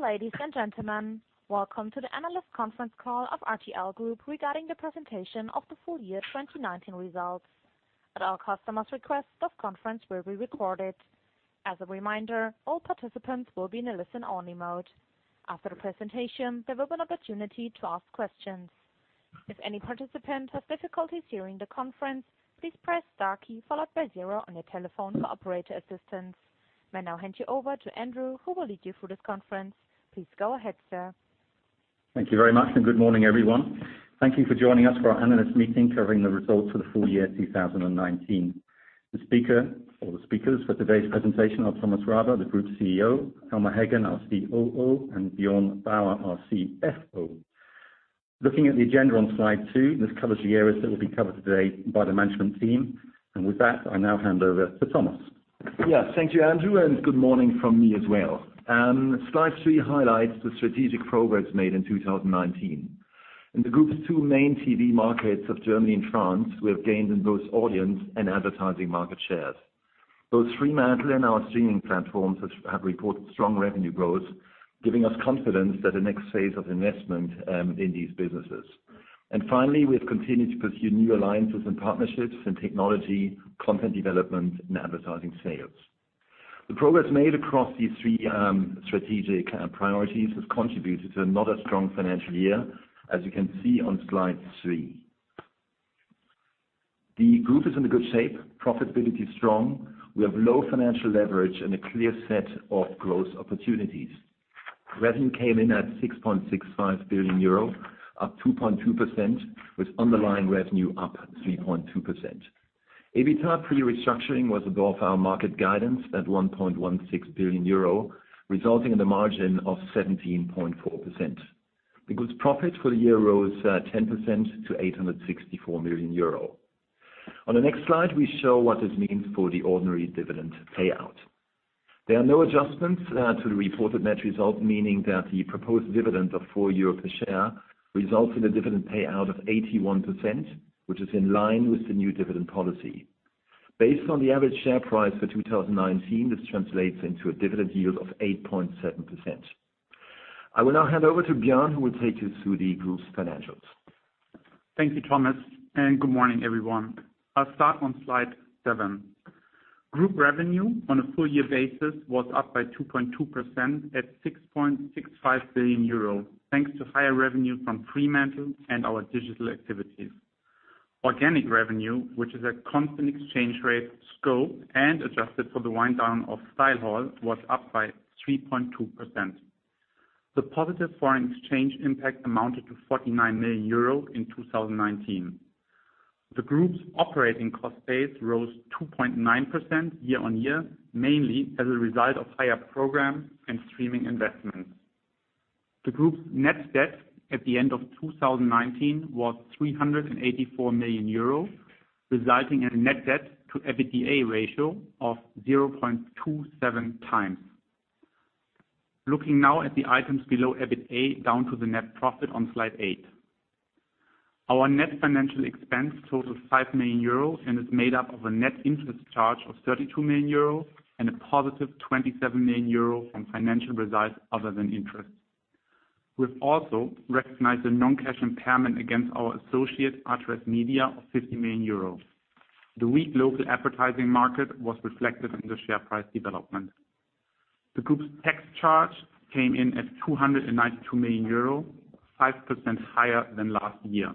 Dear ladies and gentlemen, welcome to the analyst conference call of RTL Group regarding the presentation of the full year 2019 results. At our customers request, this conference will be recorded. As a reminder, all participants will be in a listen-only mode. After the presentation, there will be an opportunity to ask questions. If any participant has difficulties hearing the conference, please press star key followed by zero on your telephone for operator assistance. May now hand you over to Andrew, who will lead you through this conference. Please go ahead, sir. Thank you very much and good morning, everyone. Thank you for joining us for our analyst meeting, covering the results for the full year 2019. The speaker or the speakers for today's presentation are Thomas Rabe, the Group CEO, Elmar Heggen, our COO, and Björn Bauer, our CFO. Looking at the agenda on slide two, this covers the areas that will be covered today by the management team. With that, I now hand over to Thomas. Yes, thank you, Andrew, and good morning from me as well. Slide three highlights the strategic progress made in 2019. In the group's two main TV markets of Germany and France, we have gained in both audience and advertising market shares. Both Fremantle and our streaming platforms have reported strong revenue growth, giving us confidence that the next phase of investment in these businesses. Finally, we have continued to pursue new alliances and partnerships in technology, content development, and advertising sales. The progress made across these three strategic priorities has contributed to another strong financial year, as you can see on slide three. The group is in a good shape, profitability is strong, we have low financial leverage and a clear set of growth opportunities. Revenue came in at 6.65 billion euro, up 2.2%, with underlying revenue up 3.2%. EBITDA pre-restructuring was above our market guidance at 1.16 billion euro, resulting in a margin of 17.4%. The group's profit for the year rose 10% to 864 million euro. On the next slide, we show what this means for the ordinary dividend payout. There are no adjustments to the reported net result, meaning that the proposed dividend of 4 euro per share results in a dividend payout of 81%, which is in line with the new dividend policy. Based on the average share price for 2019, this translates into a dividend yield of 8.7%. I will now hand over to Björn, who will take you through the group's financials. Thank you, Thomas, good morning, everyone. I'll start on slide seven. Group revenue on a full year basis was up by 2.2% at 6.65 billion euros, thanks to higher revenue from Fremantle and our digital activities. Organic revenue, which is a constant exchange rate scope and adjusted for the wind down of StyleHaul, was up by 3.2%. The positive foreign exchange impact amounted to 49 million euro in 2019. The group's operating cost base rose 2.9% year-on-year, mainly as a result of higher program and streaming investments. The group's net debt at the end of 2019 was 384 million euro, resulting in a net debt to EBITDA ratio of 0.27x. Looking now at the items below EBITA, down to the net profit on slide eight. Our net financial expense totals 5 million euro and is made up of a net interest charge of 32 million euro and a positive 27 million euro from financial results other than interest. We've also recognized a non-cash impairment against our associate, Atresmedia, of 50 million euros. The weak local advertising market was reflected in the share price development. The group's tax charge came in at 292 million euro, 5% higher than last year.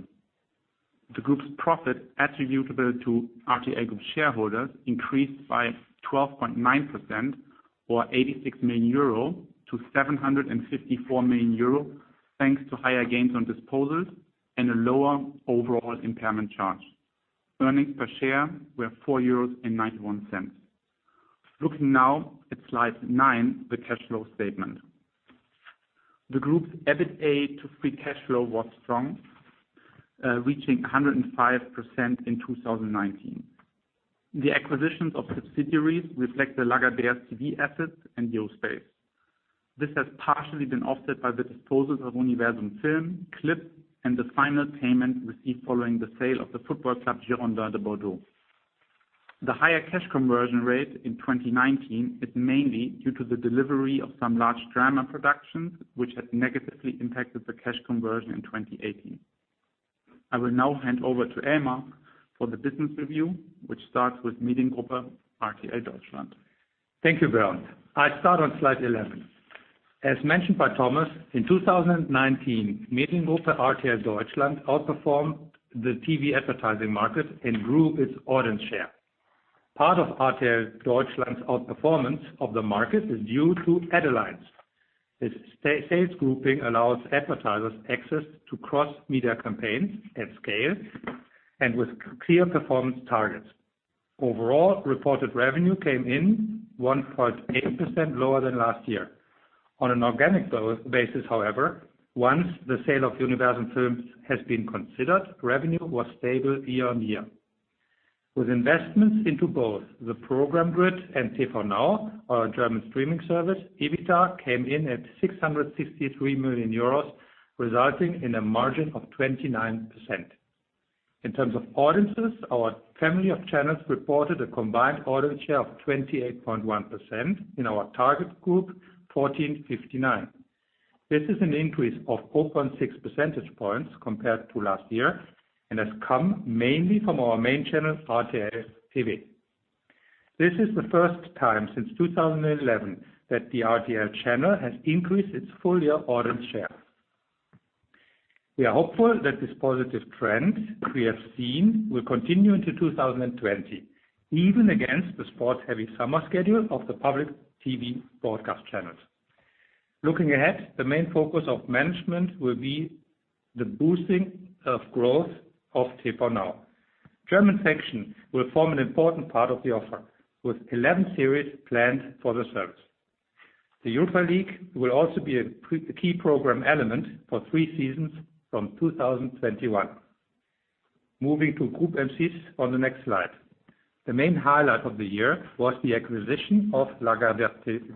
The group's profit attributable to RTL Group shareholders increased by 12.9% or 86 million euro to 754 million euro, thanks to higher gains on disposals and a lower overall impairment charge. Earnings per share were 4.91 euros. Looking now at slide nine, the cash flow statement. The group's EBITA to free cash flow was strong, reaching 105% in 2019. The acquisitions of subsidiaries reflect the Lagardère's TV assets and Yospace. This has partially been offset by the disposals of Universum Film, Clypd, and the final payment received following the sale of the football club, Girondins de Bordeaux. The higher cash conversion rate in 2019 is mainly due to the delivery of some large drama productions, which had negatively impacted the cash conversion in 2018. I will now hand over to Elmar for the business review, which starts with Mediengruppe RTL Deutschland. Thank you, Björn. I start on slide 11. As mentioned by Thomas, in 2019, Mediengruppe RTL Deutschland outperformed the TV advertising market and grew its audience share. Part of RTL Deutschland's outperformance of the market is due to Ad Alliance. This sales grouping allows advertisers access to cross-media campaigns at scale and with clear performance targets. Overall, reported revenue came in 1.8% lower than last year. On an organic basis, however, once the sale of Universum Film has been considered, revenue was stable year-on-year. With investments into both the program grid and TVNOW, our German streaming service, EBITDA came in at 663 million euros, resulting in a margin of 29%. In terms of audiences, our family of channels reported a combined audience share of 28.1% in our target group, 14-59. This is an increase of 4.6 percentage points compared to last year, and has come mainly from our main channel, RTL. This is the first time since 2011 that the RTL channel has increased its full-year audience share. We are hopeful that this positive trend we have seen will continue into 2020, even against the sports-heavy summer schedule of the public TV broadcast channels. Looking ahead, the main focus of management will be the boosting of growth of TVNOW. German fiction will form an important part of the offer, with 11 series planned for the service. The Europa League will also be a key program element for three seasons from 2021. Moving to Groupe M6 on the next slide. The main highlight of the year was the acquisition of Lagardère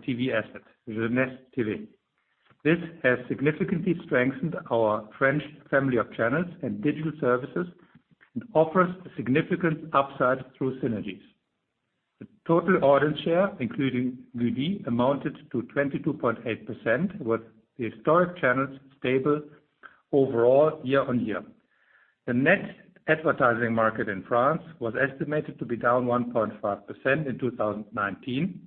TV asset, Gulli TV. This has significantly strengthened our French family of channels and digital services and offers a significant upside through synergies. The total audience share, including Gulli, amounted to 22.8%, with the historic channels stable overall year-on-year. The net advertising market in France was estimated to be down 1.5% in 2019,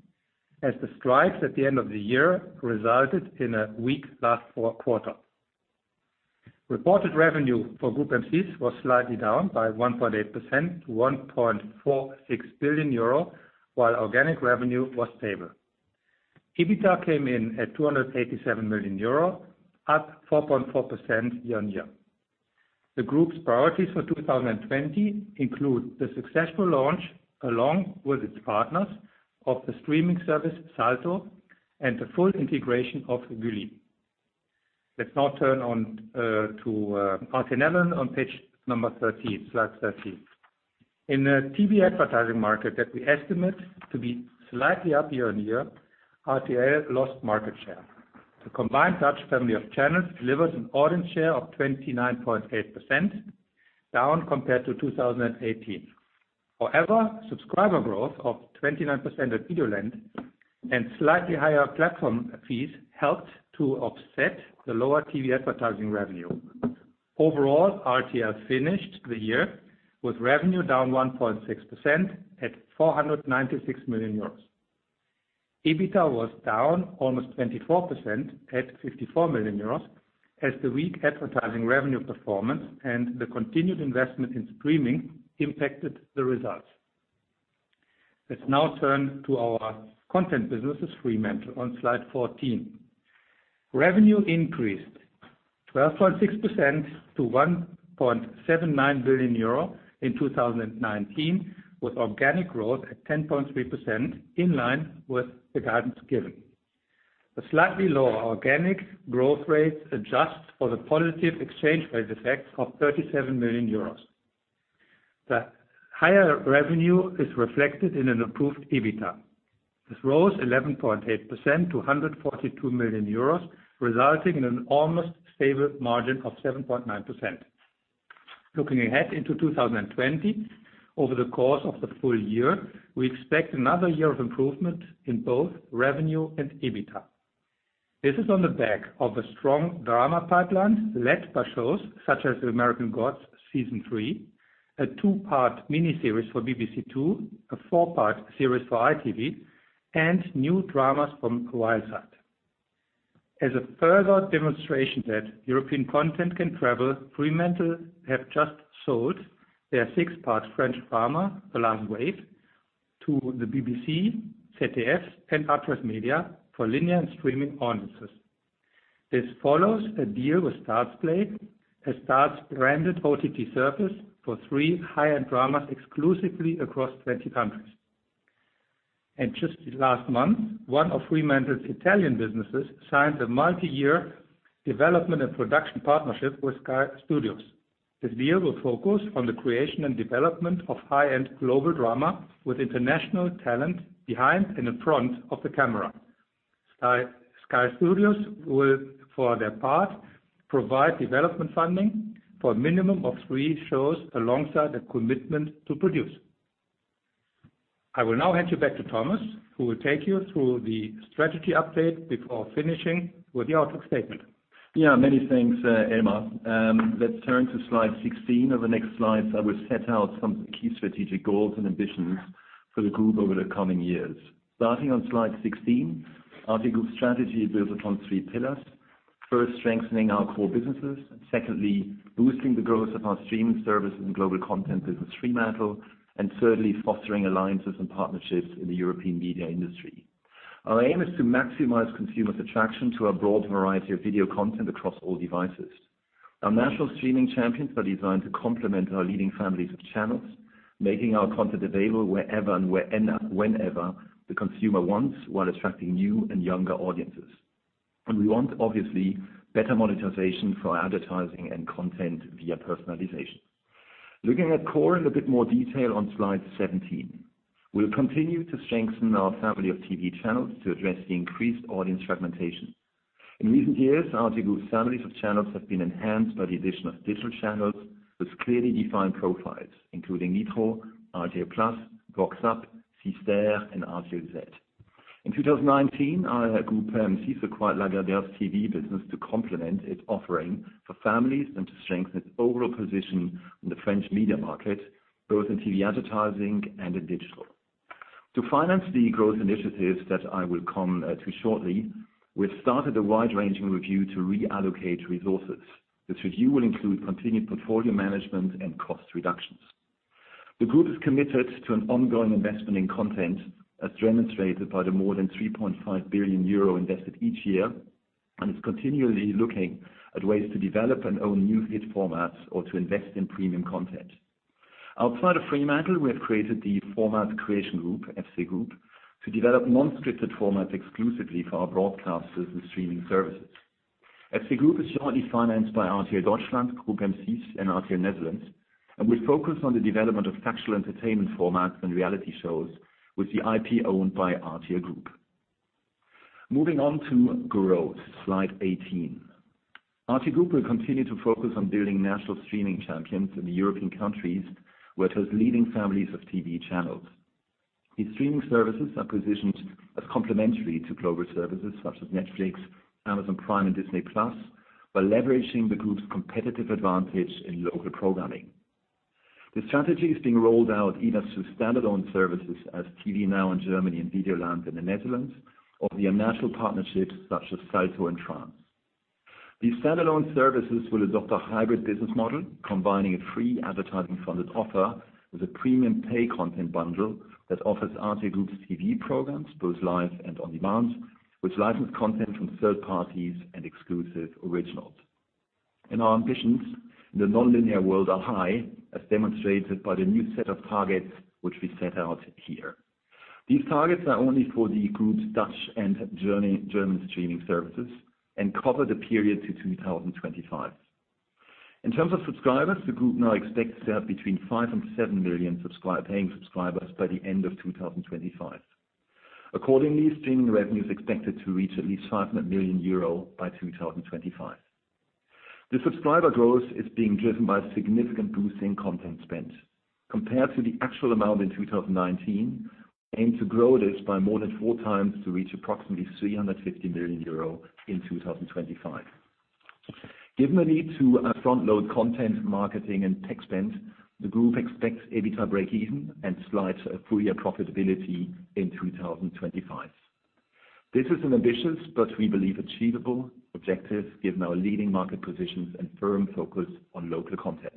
as the strikes at the end of the year resulted in a weak last fourth quarter. Reported revenue for Groupe M6 was slightly down by 1.8% to 1.46 billion euro, while organic revenue was stable. EBITA came in at 287 million euro, up 4.4% year-on-year. The group's priorities for 2020 include the successful launch, along with its partners, of the streaming service, Salto, and the full integration of Gulli. Let's now turn to RTL on page number 13, slide 13. In a TV advertising market that we estimate to be slightly up year-on-year, RTL lost market share. The combined Dutch family of channels delivered an audience share of 29.8%, down compared to 2018. Subscriber growth of 29% at Videoland and slightly higher platform fees helped to offset the lower TV advertising revenue. Overall, RTL finished the year with revenue down 1.6% at 496 million euros. EBITA was down almost 24% at 54 million euros, as the weak advertising revenue performance and the continued investment in streaming impacted the results. Let's now turn to our content businesses, Fremantle, on slide 14. Revenue increased 12.6% to 1.79 billion euro in 2019, with organic growth at 10.3%, in line with the guidance given. A slightly lower organic growth rate adjusts for the positive exchange rate effect of 37 million euros. The higher revenue is reflected in an improved EBITA. This rose 11.8% to 142 million euros, resulting in an almost stable margin of 7.9%. Looking ahead into 2020, over the course of the full year, we expect another year of improvement in both revenue and EBITA. This is on the back of a strong drama pipeline led by shows such as "American Gods," Season 3, a two-part miniseries for BBC Two, a four-part series for ITV, and new dramas from Wildside. As a further demonstration that European content can travel, Fremantle have just sold their six-part French drama, "The Long Wait," to the BBC, ZDF, and Arte Media for linear and streaming audiences. This follows a deal with Starzplay, a Starz-branded OTT service, for three high-end dramas exclusively across 20 countries. Just last month, one of Fremantle's Italian businesses signed a multi-year development and production partnership with Sky Studios. This deal will focus on the creation and development of high-end global drama with international talent behind and in front of the camera. Sky Studios will, for their part, provide development funding for a minimum of three shows alongside a commitment to produce. I will now hand you back to Thomas, who will take you through the strategy update before finishing with the outlook statement. Yeah, many thanks, Elmar. Let's turn to slide 16. Over the next slides, I will set out some key strategic goals and ambitions for the group over the coming years. Starting on slide 16, RTL Group's strategy builds upon three pillars. First, strengthening our core businesses. Secondly, boosting the growth of our streaming service and global content business, Fremantle. Thirdly, fostering alliances and partnerships in the European media industry. Our aim is to maximize consumers' attraction to our broad variety of video content across all devices. Our national streaming champions are designed to complement our leading families of channels, making our content available wherever and whenever the consumer wants, while attracting new and younger audiences. We want, obviously, better monetization for advertising and content via personalization. Looking at core in a bit more detail on slide 17. We'll continue to strengthen our family of TV channels to address the increased audience fragmentation. In recent years, RTL Group's families of channels have been enhanced by the addition of digital channels with clearly defined profiles, including Nitro, RTL+, VOXup, 6ter, and RTL Z. In 2019, our Groupe M6 acquired Lagardère's TV business to complement its offering for families and to strengthen its overall position in the French media market, both in TV advertising and in digital. To finance the growth initiatives that I will come to shortly, we've started a wide-ranging review to reallocate resources. This review will include continued portfolio management and cost reductions. The group is committed to an ongoing investment in content, as demonstrated by the more than 3.5 billion euro invested each year, and is continually looking at ways to develop and own new hit formats or to invest in premium content. Outside of Fremantle, we have created the Format Creation Group, FC Group, to develop non-scripted formats exclusively for our broadcasters and streaming services. FC Group is jointly financed by RTL Deutschland, Groupe M6, and RTL Nederland, and will focus on the development of factual entertainment formats and reality shows with the IP owned by RTL Group. Moving on to growth, slide 18. RTL Group will continue to focus on building national streaming champions in the European countries, which has leading families of TV channels. These streaming services are positioned as complementary to global services such as Netflix, Amazon Prime, and Disney+, while leveraging the group's competitive advantage in local programming. This strategy is being rolled out either through standalone services as TVNOW in Germany and Videoland in the Netherlands, or via national partnerships such as Salto in France. These standalone services will adopt a hybrid business model, combining a free advertising-funded offer with a premium pay content bundle that offers RTL Group's TV programs, both live and on-demand, with licensed content from third parties and exclusive originals. Our ambitions in the non-linear world are high, as demonstrated by the new set of targets which we set out here. These targets are only for the group's Dutch and German streaming services and cover the period to 2025. In terms of subscribers, the group now expects to have between 5 million and 7 million paying subscribers by the end of 2025. Accordingly, streaming revenue is expected to reach at least 500 million euro by 2025. The subscriber growth is being driven by a significant boost in content spend. Compared to the actual amount in 2019, we aim to grow this by more than 4x to reach approximately 350 million euro in 2025. Given the need to front-load content marketing and tech spend, the group expects EBITDA breakeven and slight full-year profitability in 2025. This is an ambitious, but we believe achievable, objective given our leading market positions and firm focus on local content.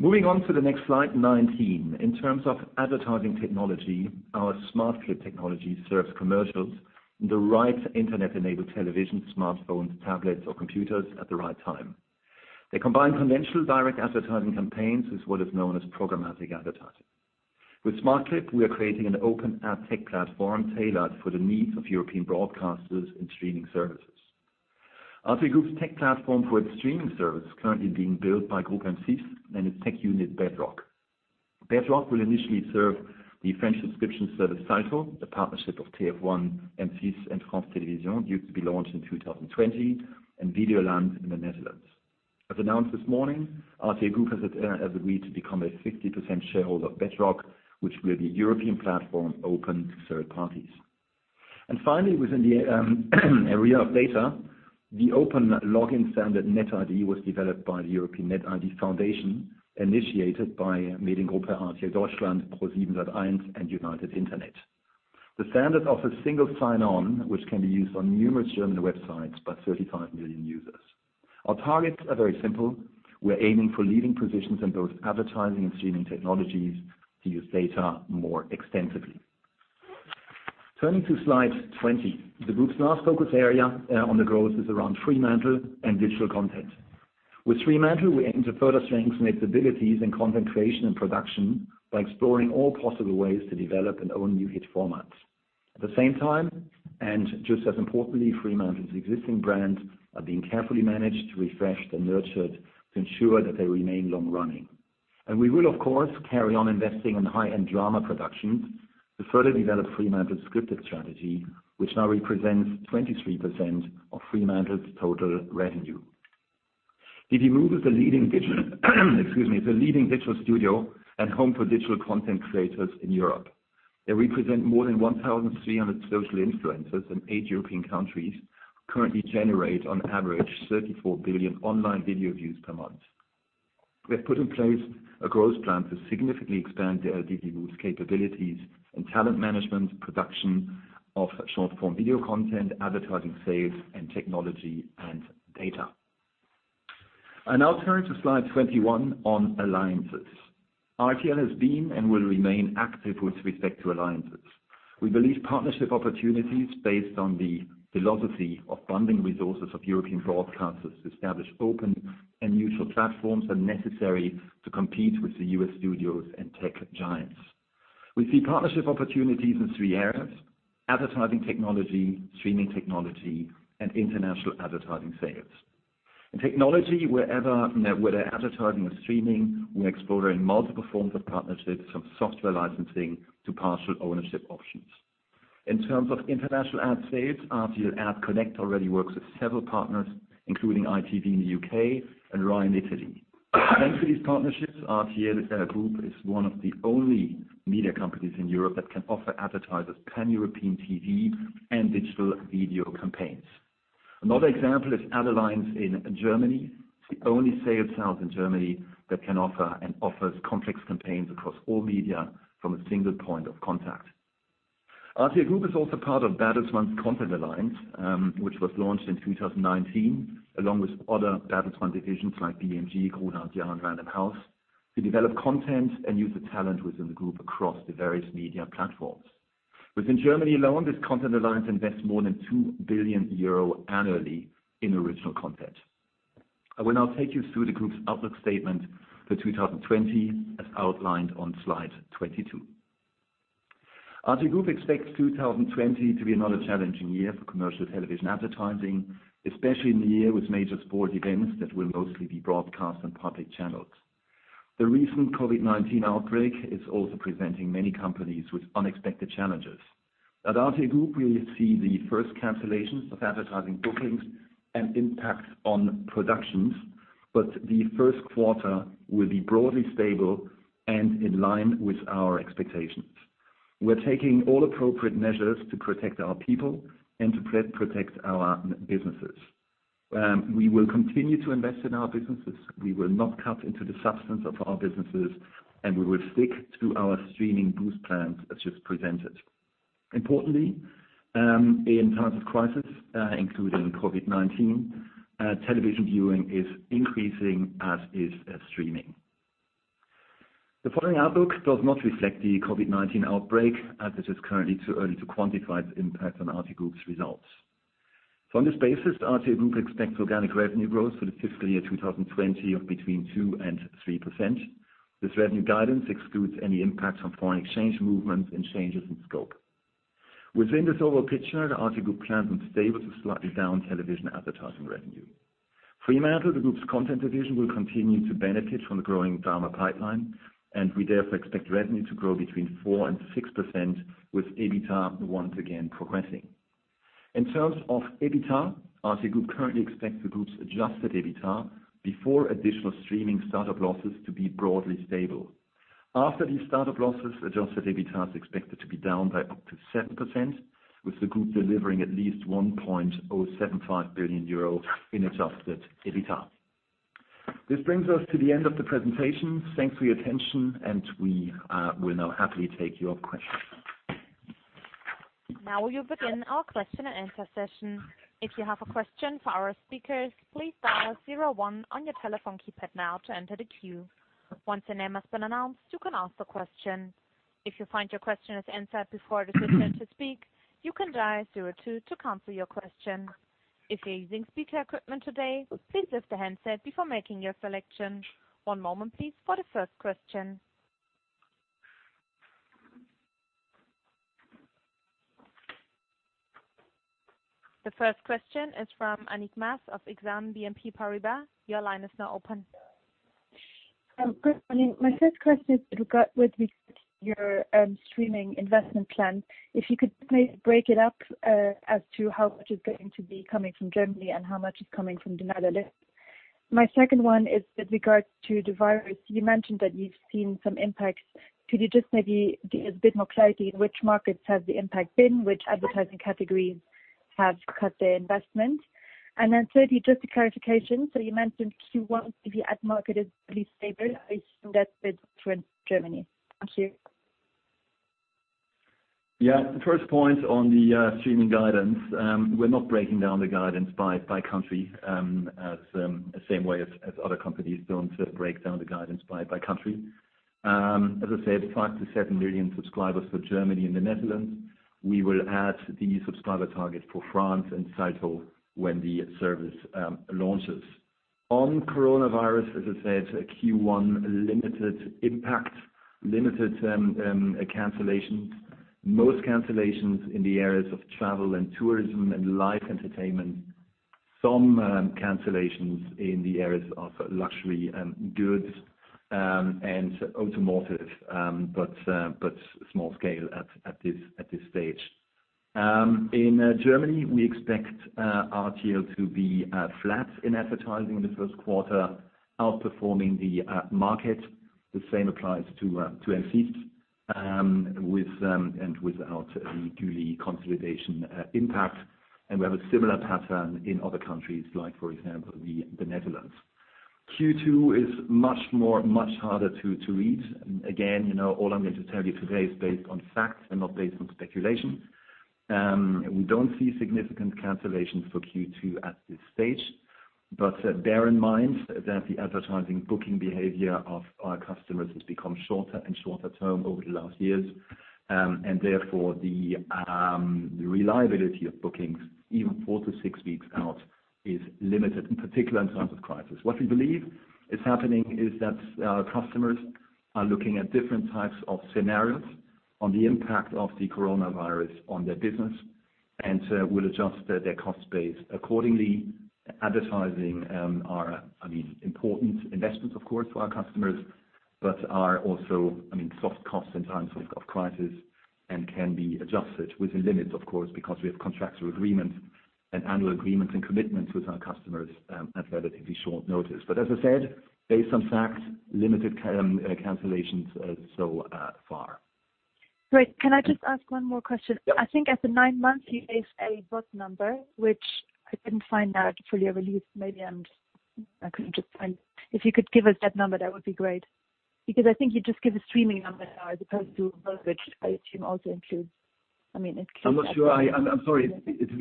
Moving on to the next slide, 19. In terms of advertising technology, our smartclip technology serves commercials in the right internet-enabled television, smartphones, tablets, or computers at the right time. They combine conventional direct advertising campaigns with what is known as programmatic advertising. With smartclip, we are creating an open ad tech platform tailored for the needs of European broadcasters and streaming services. RTL Group's tech platform for its streaming service is currently being built by Groupe M6 and its tech unit, Bedrock. Bedrock will initially serve the French subscription service, Salto, the partnership of TF1, M6, and France Télévisions, due to be launched in 2020, and Videoland in the Netherlands. As announced this morning, RTL Group has agreed to become a 60% shareholder of Bedrock, which will be a European platform open to third parties. Finally, within the area of data, the open login standard netID was developed by the European netID Foundation, initiated by Mediengruppe RTL Deutschland, ProSiebenSat.1, and United Internet. The standard offers single sign-on, which can be used on numerous German websites by 35 million users. Our targets are very simple. We're aiming for leading positions in both advertising and streaming technologies to use data more extensively. Turning to slide 20. The group's last focus area on the growth is around Fremantle and digital content. With Fremantle, we aim to further strengthen its abilities in content creation and production by exploring all possible ways to develop and own new hit formats. At the same time, and just as importantly, Fremantle's existing brands are being carefully managed, refreshed, and nurtured to ensure that they remain long-running. We will, of course, carry on investing in high-end drama productions to further develop Fremantle's scripted strategy, which now represents 23% of Fremantle's total revenue. Divimove is the leading digital excuse me, the leading digital studio and home for digital content creators in Europe. They represent more than 1,300 social influencers in eight European countries, currently generate on average 34 billion online video views per month. We have put in place a growth plan to significantly expand Divimove's capabilities in talent management, production of short-form video content, advertising sales, and technology and data. Now turning to slide 21 on alliances. RTL has been and will remain active with respect to alliances. We believe partnership opportunities based on the philosophy of bonding resources of European broadcasters to establish open and neutral platforms are necessary to compete with the U.S. studios and tech giants. We see partnership opportunities in three areas: advertising technology, streaming technology, and international advertising sales. In technology, wherever they're advertising or streaming, we're exploring multiple forms of partnerships, from software licensing to partial ownership options. In terms of international ad sales, RTL AdConnect already works with several partners, including ITV in the U.K. and RAI in Italy. Thanks to these partnerships, RTL Group is one of the only media companies in Europe that can offer advertisers pan-European TV and digital video campaigns. Another example is Ad Alliance in Germany. It's the only sales house in Germany that can offer and offers complex campaigns across all media from a single point of contact. RTL Group is also part of Bertelsmann's Content Alliance, which was launched in 2019, along with other Bertelsmann divisions like BMG, Gruner + Jahr, and Random House, to develop content and use the talent within the group across the various media platforms. Within Germany alone, this content alliance invests more than 2 billion euro annually in original content. I will now take you through the group's outlook statement for 2020, as outlined on Slide 22. RTL Group expects 2020 to be another challenging year for commercial television advertising, especially in the year with major sports events that will mostly be broadcast on public channels. The recent COVID-19 outbreak is also presenting many companies with unexpected challenges. At RTL Group, we see the first cancellations of advertising bookings and impact on productions, but the first quarter will be broadly stable and in line with our expectations. We're taking all appropriate measures to protect our people and to protect our businesses. We will continue to invest in our businesses. We will not cut into the substance of our businesses, and we will stick to our streaming boost plans as just presented. Importantly, in times of crisis, including COVID-19, television viewing is increasing, as is streaming. The following outlook does not reflect the COVID-19 outbreak, as it is currently too early to quantify the impact on RTL Group's results. On this basis, RTL Group expects organic revenue growth for the fiscal year 2020 of between 2% and 3%. This revenue guidance excludes any impacts on foreign exchange movements and changes in scope. Within this overall picture, RTL Group plans on stable to slightly down television advertising revenue. Fremantle, the group's content division, will continue to benefit from the growing drama pipeline, and we therefore expect revenue to grow between 4% and 6%, with EBITDA once again progressing. In terms of EBITDA, RTL Group currently expects the group's adjusted EBITDA before additional streaming startup losses to be broadly stable. After these startup losses, adjusted EBITDA is expected to be down by up to 7%, with the group delivering at least 1.075 billion euro in adjusted EBITDA. This brings us to the end of the presentation. Thanks for your attention, and we will now happily take your questions. Now we will begin our question and answer session. If you have a question for our speakers, please dial 01 on your telephone keypad now to enter the queue. Once your name has been announced, you can ask the question. If you find your question is answered before it is your turn to speak, you can dial 02 to cancel your question. If you're using speaker equipment today, please lift the handset before making your selection. One moment, please, for the first question. The first question is from Annick Maas of Exane BNP Paribas. Your line is now open. Good morning. My first question is with regard with your streaming investment plan. If you could please break it up as to how much is going to be coming from Germany and how much is coming from the Netherlands. My second one is with regards to the virus. You mentioned that you've seen some impacts. Could you just maybe give a bit more clarity in which markets has the impact been? Which advertising categories have cut their investment? Thirdly, just a clarification. You mentioned Q1, the ad market is pretty stable. I assume that's with Germany. Thank you. The first point on the streaming guidance, we're not breaking down the guidance by country, the same way as other companies don't break down the guidance by country. As I said, 5 million to 7 million subscribers for Germany and the Netherlands. We will add the subscriber target for France and Salto when the service launches. On coronavirus, as I said, Q1, limited impact, limited cancellations. Most cancellations in the areas of travel and tourism and live entertainment. Some cancellations in the areas of luxury goods and automotive, but small scale at this stage. In Germany, we expect RTL to be flat in advertising in the first quarter, outperforming the ad market. The same applies to ProSieben, without the due consolidation impact. We have a similar pattern in other countries, like, for example, the Netherlands. Q2 is much harder to read. Again, all I'm going to tell you today is based on facts and not based on speculation. We don't see significant cancellations for Q2 at this stage, but bear in mind that the advertising booking behavior of our customers has become shorter and shorter term over the last years, and therefore, the reliability of bookings, even four to six weeks out, is limited, in particular in times of crisis. What we believe is happening is that customers are looking at different types of scenarios on the impact of the coronavirus on their business, and will adjust their cost base accordingly. Advertising are important investments, of course, for our customers, but are also soft costs in times of crisis and can be adjusted within limits, of course, because we have contractual agreements and annual agreements and commitments with our customers at relatively short notice. As I said, based on facts, limited cancellations so far. Great. Can I just ask one more question? Yeah. I think at the nine months, you gave a VOD number, which I couldn't find now for your release. Maybe I couldn't just find. If you could give us that number, that would be great. I think you just give a streaming number now as opposed to VOD, which I assume also includes. I'm not sure. I'm sorry.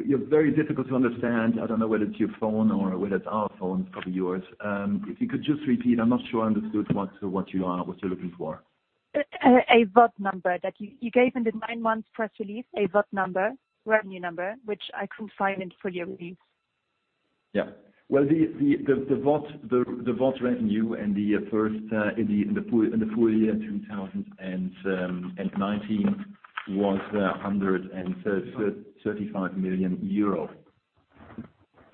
You're very difficult to understand. I don't know whether it's your phone or whether it's our phone. It's probably yours. If you could just repeat, I'm not sure I understood what you're looking for. A VOD number that you gave in the nine months press release, a VOD number, revenue number, which I couldn't find in the full-year release. Yeah. Well, the VOD revenue in the full year 2019 was 135 million euro.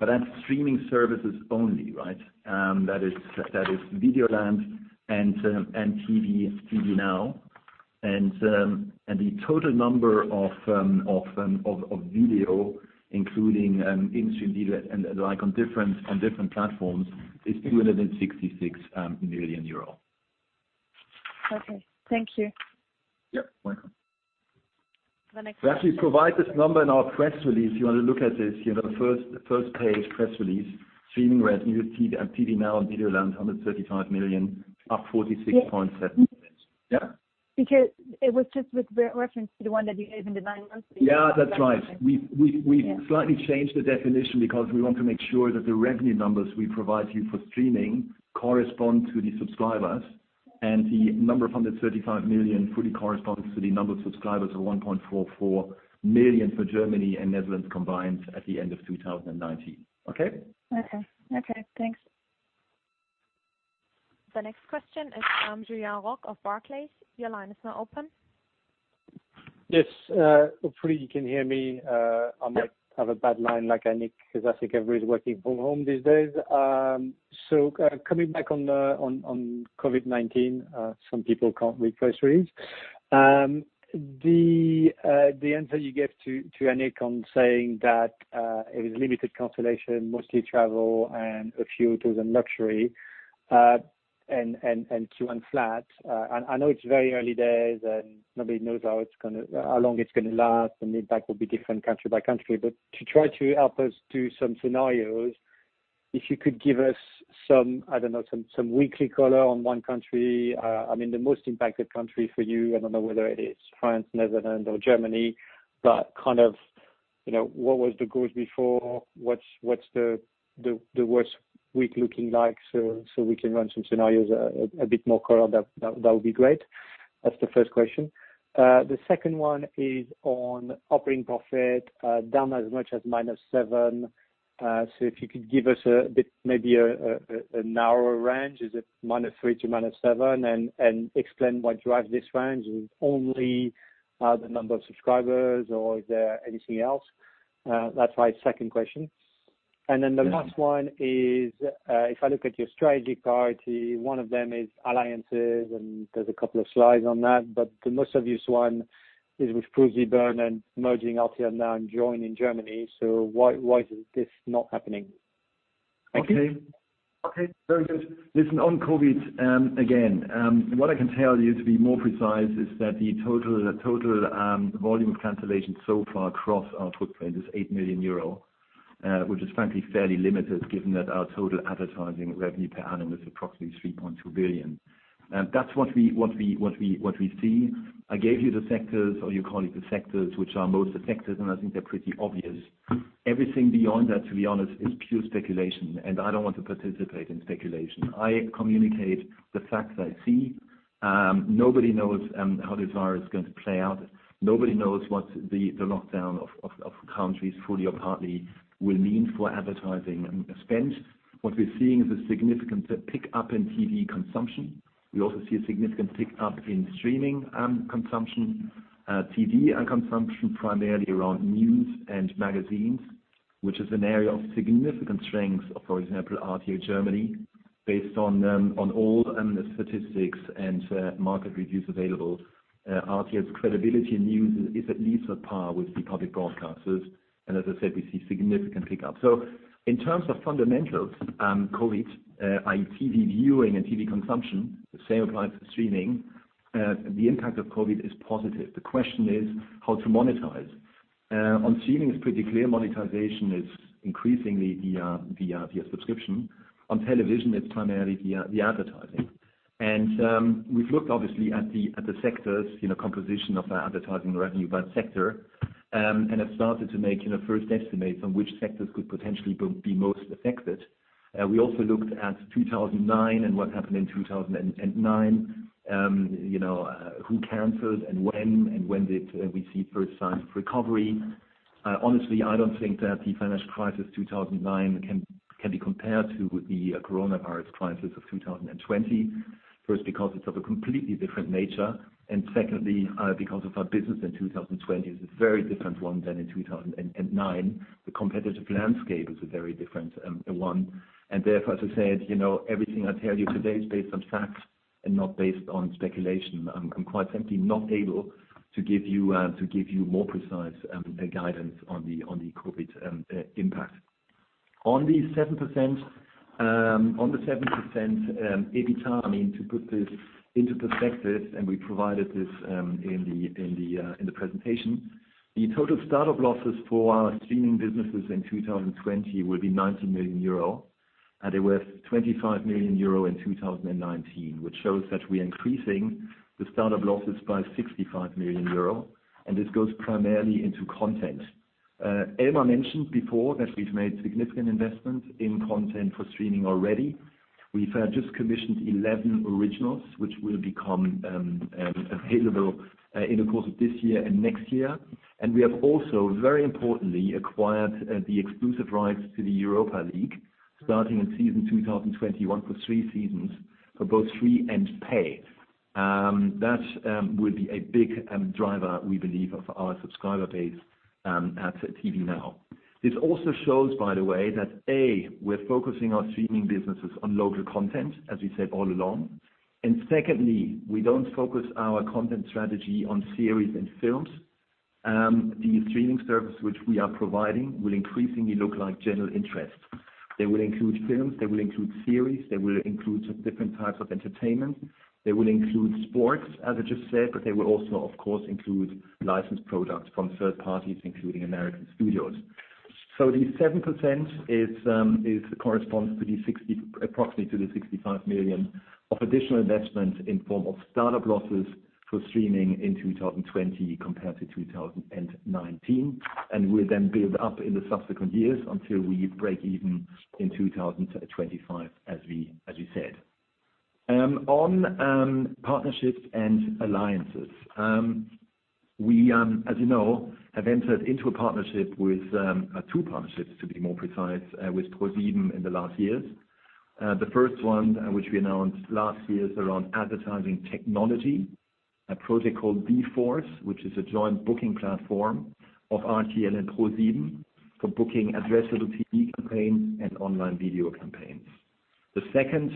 That's streaming services only, right? That is Videoland and TVNOW. The total number of video, including in-stream video and on different platforms, is 266 million euro. Okay. Thank you. Yeah. Welcome. The next question. We actually provide this number in our press release. If you want to look at this, the first page press release, streaming revenue, TVNOW and Videoland, 135 million, up 46.7%. Yeah? It was just with reference to the one that you gave in the nine months. Yeah. That's right. We've slightly changed the definition because we want to make sure that the revenue numbers we provide you for streaming correspond to the subscribers, and the number of 135 million fully corresponds to the number of subscribers of 1.44 million for Germany and Netherlands combined at the end of 2019. Okay? Okay. Thanks. The next question is Julien Roch of Barclays. Your line is now open. Yes. Hopefully, you can hear me. I might have a bad line like Annick, because I think everybody's working from home these days. Coming back on COVID-19, some people can't read press release. The answer you gave to Annick on saying that it was limited cancellation, mostly travel and a few tourism luxury, and Q1 flat. I know it's very early days and nobody knows how long it's going to last, and the impact will be different country by country. To try to help us do some scenarios, if you could give us some, I don't know, weekly color on one country. The most impacted country for you, I don't know whether it is France, Netherlands or Germany, but what was the growth before? What's the worst week looking like? We can run some scenarios a bit more color. That would be great. That's the first question. The second one is on operating profit, down as much as -7%. If you could give us maybe a narrower range, is it -3% to -7%? Explain what drives this range. Is it only the number of subscribers or is there anything else? That's my second question. The last one is, if I look at your strategy priority, one of them is alliances, and there's a couple of slides on that. The most obvious one is with ProSieben and merging TVNOW and Joyn in Germany. Why is this not happening? Thank you. Okay. Very good. Listen, on COVID, again, what I can tell you to be more precise is that the total volume of cancellations so far across our footprint is 8 million euro, which is frankly fairly limited given that our total advertising revenue per annum is approximately 3.2 billion. That's what we see. I gave you the sectors, or you call it the sectors, which are most affected. I think they're pretty obvious. Everything beyond that, to be honest, is pure speculation. I don't want to participate in speculation. I communicate the facts I see. Nobody knows how this virus is going to play out. Nobody knows what the lockdown of countries, fully or partly, will mean for advertising spend. What we're seeing is a significant pick-up in TV consumption. We also see a significant pick-up in streaming consumption. TV consumption, primarily around news and magazines, which is an area of significant strength of, for example, RTL Deutschland, based on old statistics and market reviews available. RTL's credibility in news is at least at par with the public broadcasters. As I said, we see significant pick-up. In terms of fundamentals, COVID-19, i.e. TV viewing and TV consumption, the same applies to streaming. The impact of COVID-19 is positive. The question is how to monetize. On streaming, it's pretty clear monetization is increasingly via subscription. On television, it's primarily via the advertising. We've looked, obviously, at the sectors, composition of our advertising revenue by sector, and have started to make first estimates on which sectors could potentially be most affected. We also looked at 2009 and what happened in 2009, who canceled and when, and when did we see first signs of recovery. Honestly, I don't think that the financial crisis of 2009 can be compared to the COVID-19 crisis of 2020. Because it's of a completely different nature, secondly, because our business in 2020 is a very different one than in 2009. The competitive landscape is a very different one. Therefore, as I said, everything I tell you today is based on facts and not based on speculation. I'm quite simply not able to give you more precise guidance on the COVID impact. On the 7% EBITDA, to put this into perspective, we provided this in the presentation. The total start-up losses for our streaming businesses in 2020 will be 90 million euro, and they were 25 million euro in 2019, which shows that we are increasing the start-up losses by 65 million euro. This goes primarily into content. Elmar mentioned before that we've made significant investments in content for streaming already. We have just commissioned 11 originals, which will become available in the course of this year and next year. We have also, very importantly, acquired the exclusive rights to the Europa League, starting in season 2021 for three seasons for both free and pay. That will be a big driver, we believe, of our subscriber base at TVNOW. This also shows, by the way, that A, we're focusing our streaming businesses on local content, as we said all along. Secondly, we don't focus our content strategy on series and films. The streaming service which we are providing will increasingly look like general interest. They will include films, they will include series, they will include different types of entertainment. They will include sports, as I just said, but they will also, of course, include licensed products from third parties, including American studios. The 7% corresponds approximately to the 65 million of additional investments in form of start-up losses for streaming in 2020 compared to 2019, and will then build up in the subsequent years until we break even in 2025, as we said. On partnerships and alliances. We, as you know, have entered into two partnerships to be more precise, with ProSieben in the last years. The first one, which we announced last year, is around advertising technology, a project called d-force, which is a joint booking platform of RTL and ProSieben for booking addressable TV campaigns and online video campaigns. The second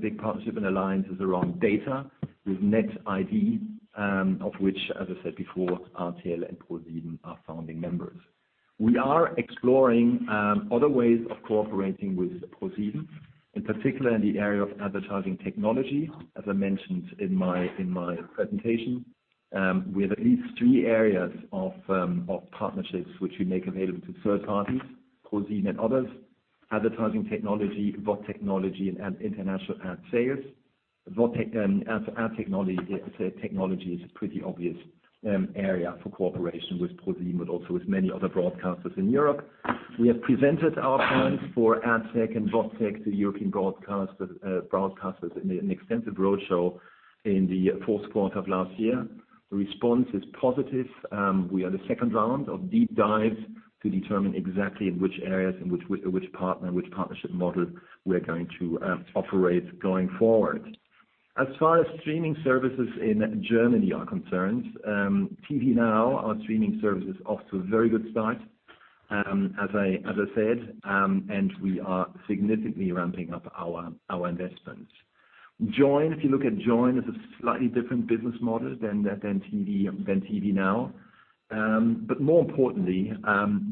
big partnership and alliance is around data with netID, of which, as I said before, RTL and ProSieben are founding members. We are exploring other ways of cooperating with ProSieben, in particular in the area of advertising technology, as I mentioned in my presentation. We have at least three areas of partnerships which we make available to third parties, ProSieben and others. Advertising technology, VOD technology, and international ad sales. Ad technology is a pretty obvious area for cooperation with ProSieben, but also with many other broadcasters in Europe. We have presented our plans for AdTech and VODtech to European broadcasters in an extensive roadshow in the fourth quarter of last year. The response is positive. We are in the second round of deep dives to determine exactly in which areas, and which partnership model we're going to operate going forward. As far as streaming services in Germany are concerned, TVNOW, our streaming service, is off to a very good start as I said, and we are significantly ramping up our investments. Joyn, if you look at Joyn, is a slightly different business model than TVNOW. More importantly,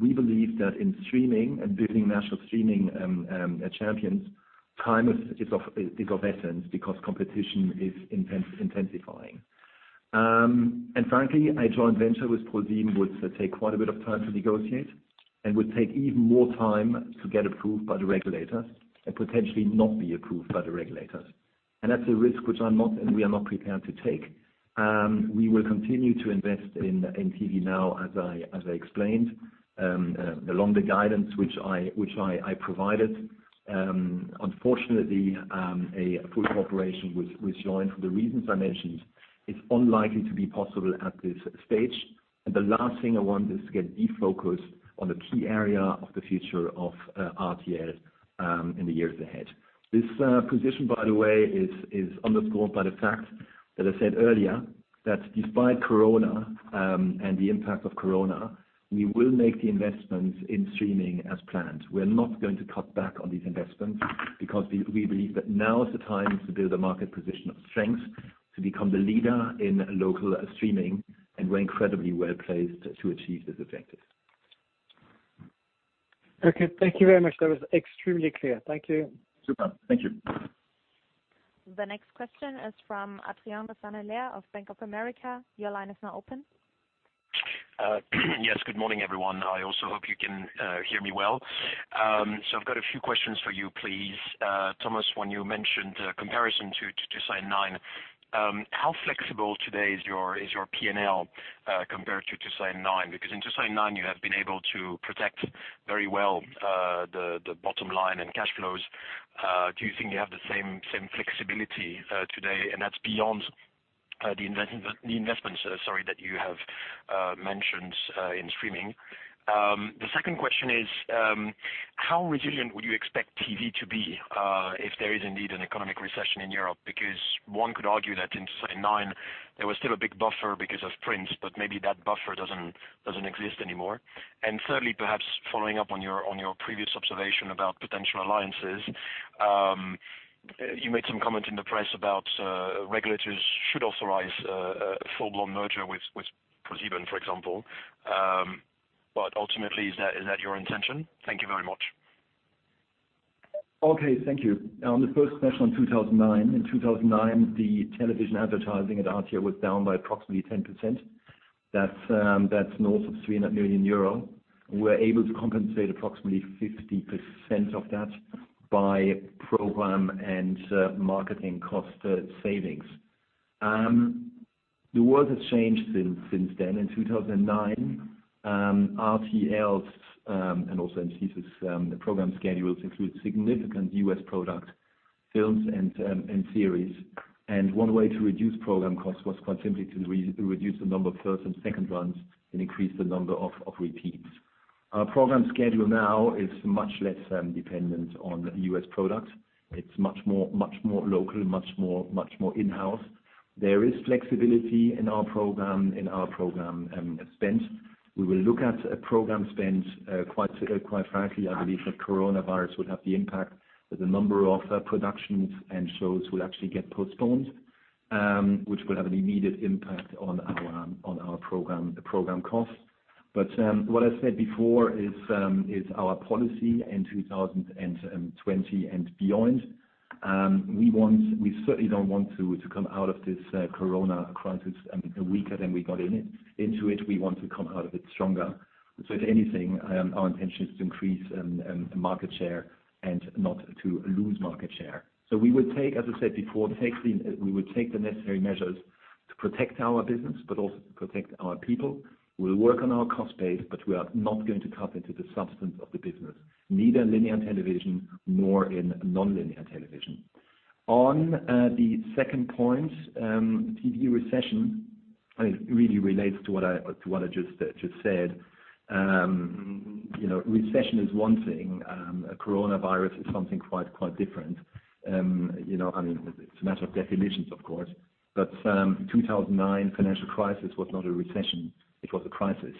we believe that in streaming and building national streaming champions, time is of essence because competition is intensifying. Frankly, a joint venture with ProSieben would take quite a bit of time to negotiate and would take even more time to get approved by the regulators and potentially not be approved by the regulators. That's a risk which we are not prepared to take. We will continue to invest in TVNOW, as I explained, along the guidance which I provided. Unfortunately, a full cooperation with Joyn, for the reasons I mentioned, is unlikely to be possible at this stage. The last thing I want is to get defocused on the key area of the future of RTL in the years ahead. This position, by the way, is underscored by the fact that I said earlier that despite Corona and the impact of Corona, we will make the investments in streaming as planned. We're not going to cut back on these investments because we believe that now is the time to build a market position of strength to become the leader in local streaming, and we're incredibly well-placed to achieve this objective. Okay. Thank you very much. That was extremely clear. Thank you. Super. Thank you. The next question is from Adrien de Saint Hilaire of Bank of America. Your line is now open. Yes. Good morning, everyone. I also hope you can hear me well. I've got a few questions for you, please. Thomas, when you mentioned comparison to 2009, how flexible today is your P&L compared to 2009? In 2009, you have been able to protect very well the bottom line and cash flows. Do you think you have the same flexibility today, and that's beyond the investments that you have mentioned in streaming? The second question is, how resilient would you expect TV to be, if there is indeed an economic recession in Europe? One could argue that in 2009, there was still a big buffer because of prints, but maybe that buffer doesn't exist anymore. Thirdly, perhaps following up on your previous observation about potential alliances. You made some comment in the press about regulators should authorize a full-blown merger with ProSieben, for example. Ultimately, is that your intention? Thank you very much. Okay. Thank you. On the first question, 2009. In 2009, the television advertising at RTL was down by approximately 10%. That's north of 300 million euro. We were able to compensate approximately 50% of that by program and marketing cost savings. The world has changed since then. In 2009, RTL's, and also M6's, program schedules include significant U.S. product films and series. One way to reduce program costs was quite simply to reduce the number of first and second runs and increase the number of repeats. Our program schedule now is much less dependent on U.S. product. It's much more local, much more in-house. There is flexibility in our program and spend. We will look at program spend, quite frankly, I believe that coronavirus will have the impact that the number of productions and shows will actually get postponed, which will have an immediate impact on our program costs. What I said before is our policy in 2020 and beyond. We certainly don't want to come out of this corona crisis weaker than we got into it. We want to come out of it stronger. If anything, our intention is to increase market share and not to lose market share. We will take, as I said before, we will take the necessary measures to protect our business, but also to protect our people. We will work on our cost base, but we are not going to cut into the substance of the business, neither in linear television, nor in non-linear television. On the second point, TV recession, it really relates to what I just said. Recession is one thing. Coronavirus is something quite different. It's a matter of definitions, of course. 2009 financial crisis was not a recession. It was a crisis,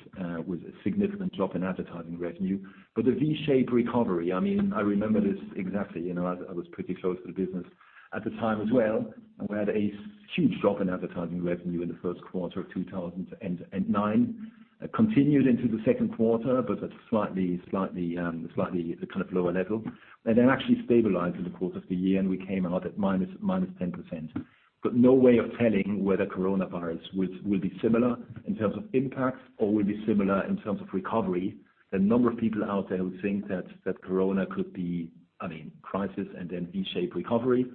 with a significant drop in advertising revenue. A V-shaped recovery, I mean, I remember this exactly. I was pretty close to the business at the time as well. We had a huge drop in advertising revenue in the first quarter of 2009. Continued into the second quarter, but at slightly lower level, and then actually stabilized in the course of the year, and we came out at -10%. No way of telling whether coronavirus will be similar in terms of impact or will be similar in terms of recovery. There are a number of people out there who think that corona could be a crisis and then V-shaped recovery.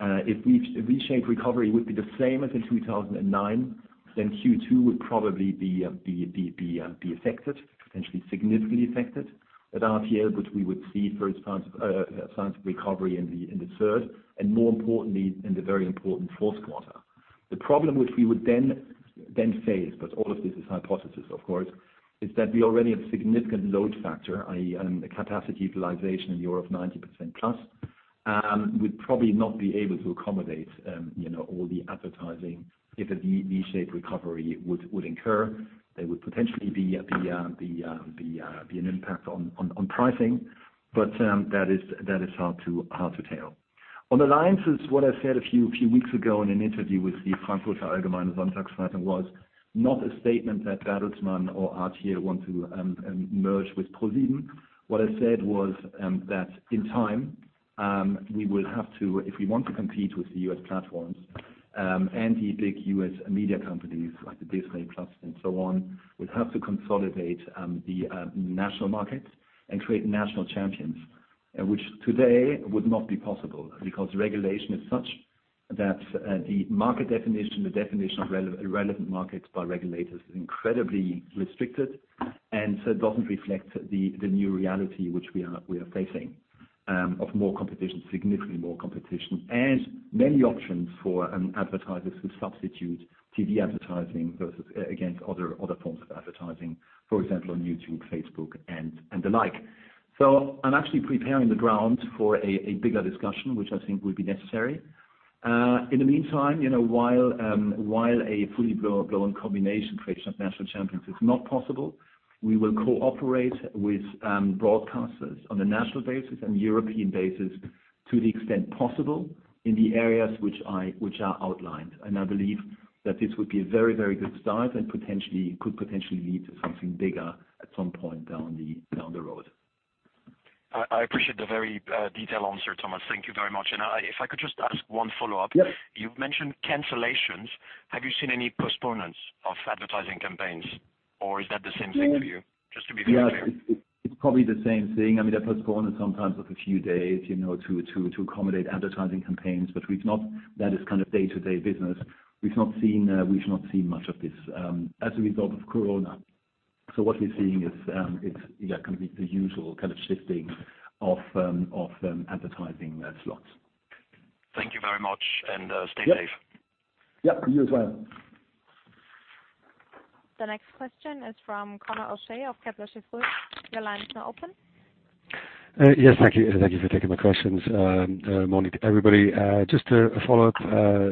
If V-shaped recovery would be the same as in 2009, then Q2 would probably be affected, potentially significantly affected at RTL, but we would see signs of recovery in the third, and more importantly, in the very important fourth quarter. The problem which we would then face, but all of this is hypothesis, of course, is that we already have significant load factor, i.e., capacity utilization in Europe, 90%-plus. We'd probably not be able to accommodate all the advertising if a V-shaped recovery would incur. There would potentially be an impact on pricing. That is hard to tell. On alliances, what I said a few weeks ago in an interview with the "Frankfurter Allgemeine Sonntagszeitung" was not a statement that Bertelsmann or RTL want to merge with ProSieben. What I said was that in time, we will have to, if we want to compete with the U.S. platforms, and the big U.S. media companies like the Disney+ and so on, we have to consolidate the national market and create national champions, which today would not be possible because regulation is such that the market definition, the definition of relevant markets by regulators is incredibly restricted. It doesn't reflect the new reality which we are facing, of more competition, significantly more competition, and many options for advertisers to substitute TV advertising against other forms of advertising, for example, on YouTube, Facebook, and the like. I'm actually preparing the ground for a bigger discussion, which I think will be necessary. In the meantime, while a fully blown combination creation of national champions is not possible, we will cooperate with broadcasters on a national basis and European basis to the extent possible in the areas which are outlined. I believe that this would be a very good start and could potentially lead to something bigger at some point down the road. I appreciate the very detailed answer, Thomas. Thank you very much. If I could just ask one follow-up. Yes. You've mentioned cancellations. Have you seen any postponements of advertising campaigns, or is that the same thing for you? Just to be very clear. Yeah. It's probably the same thing. They postpone it sometimes of a few days, to accommodate advertising campaigns, but that is kind of day-to-day business. We've not seen much of this, as a result of COVID-19. What we're seeing is, the usual kind of shifting of advertising slots. Thank you very much and stay safe. Yep. You as well. The next question is from Conor O'Shea of Kepler Cheuvreux. Your line is now open. Yes. Thank you for taking my questions. Morning to everybody. Just a follow-up,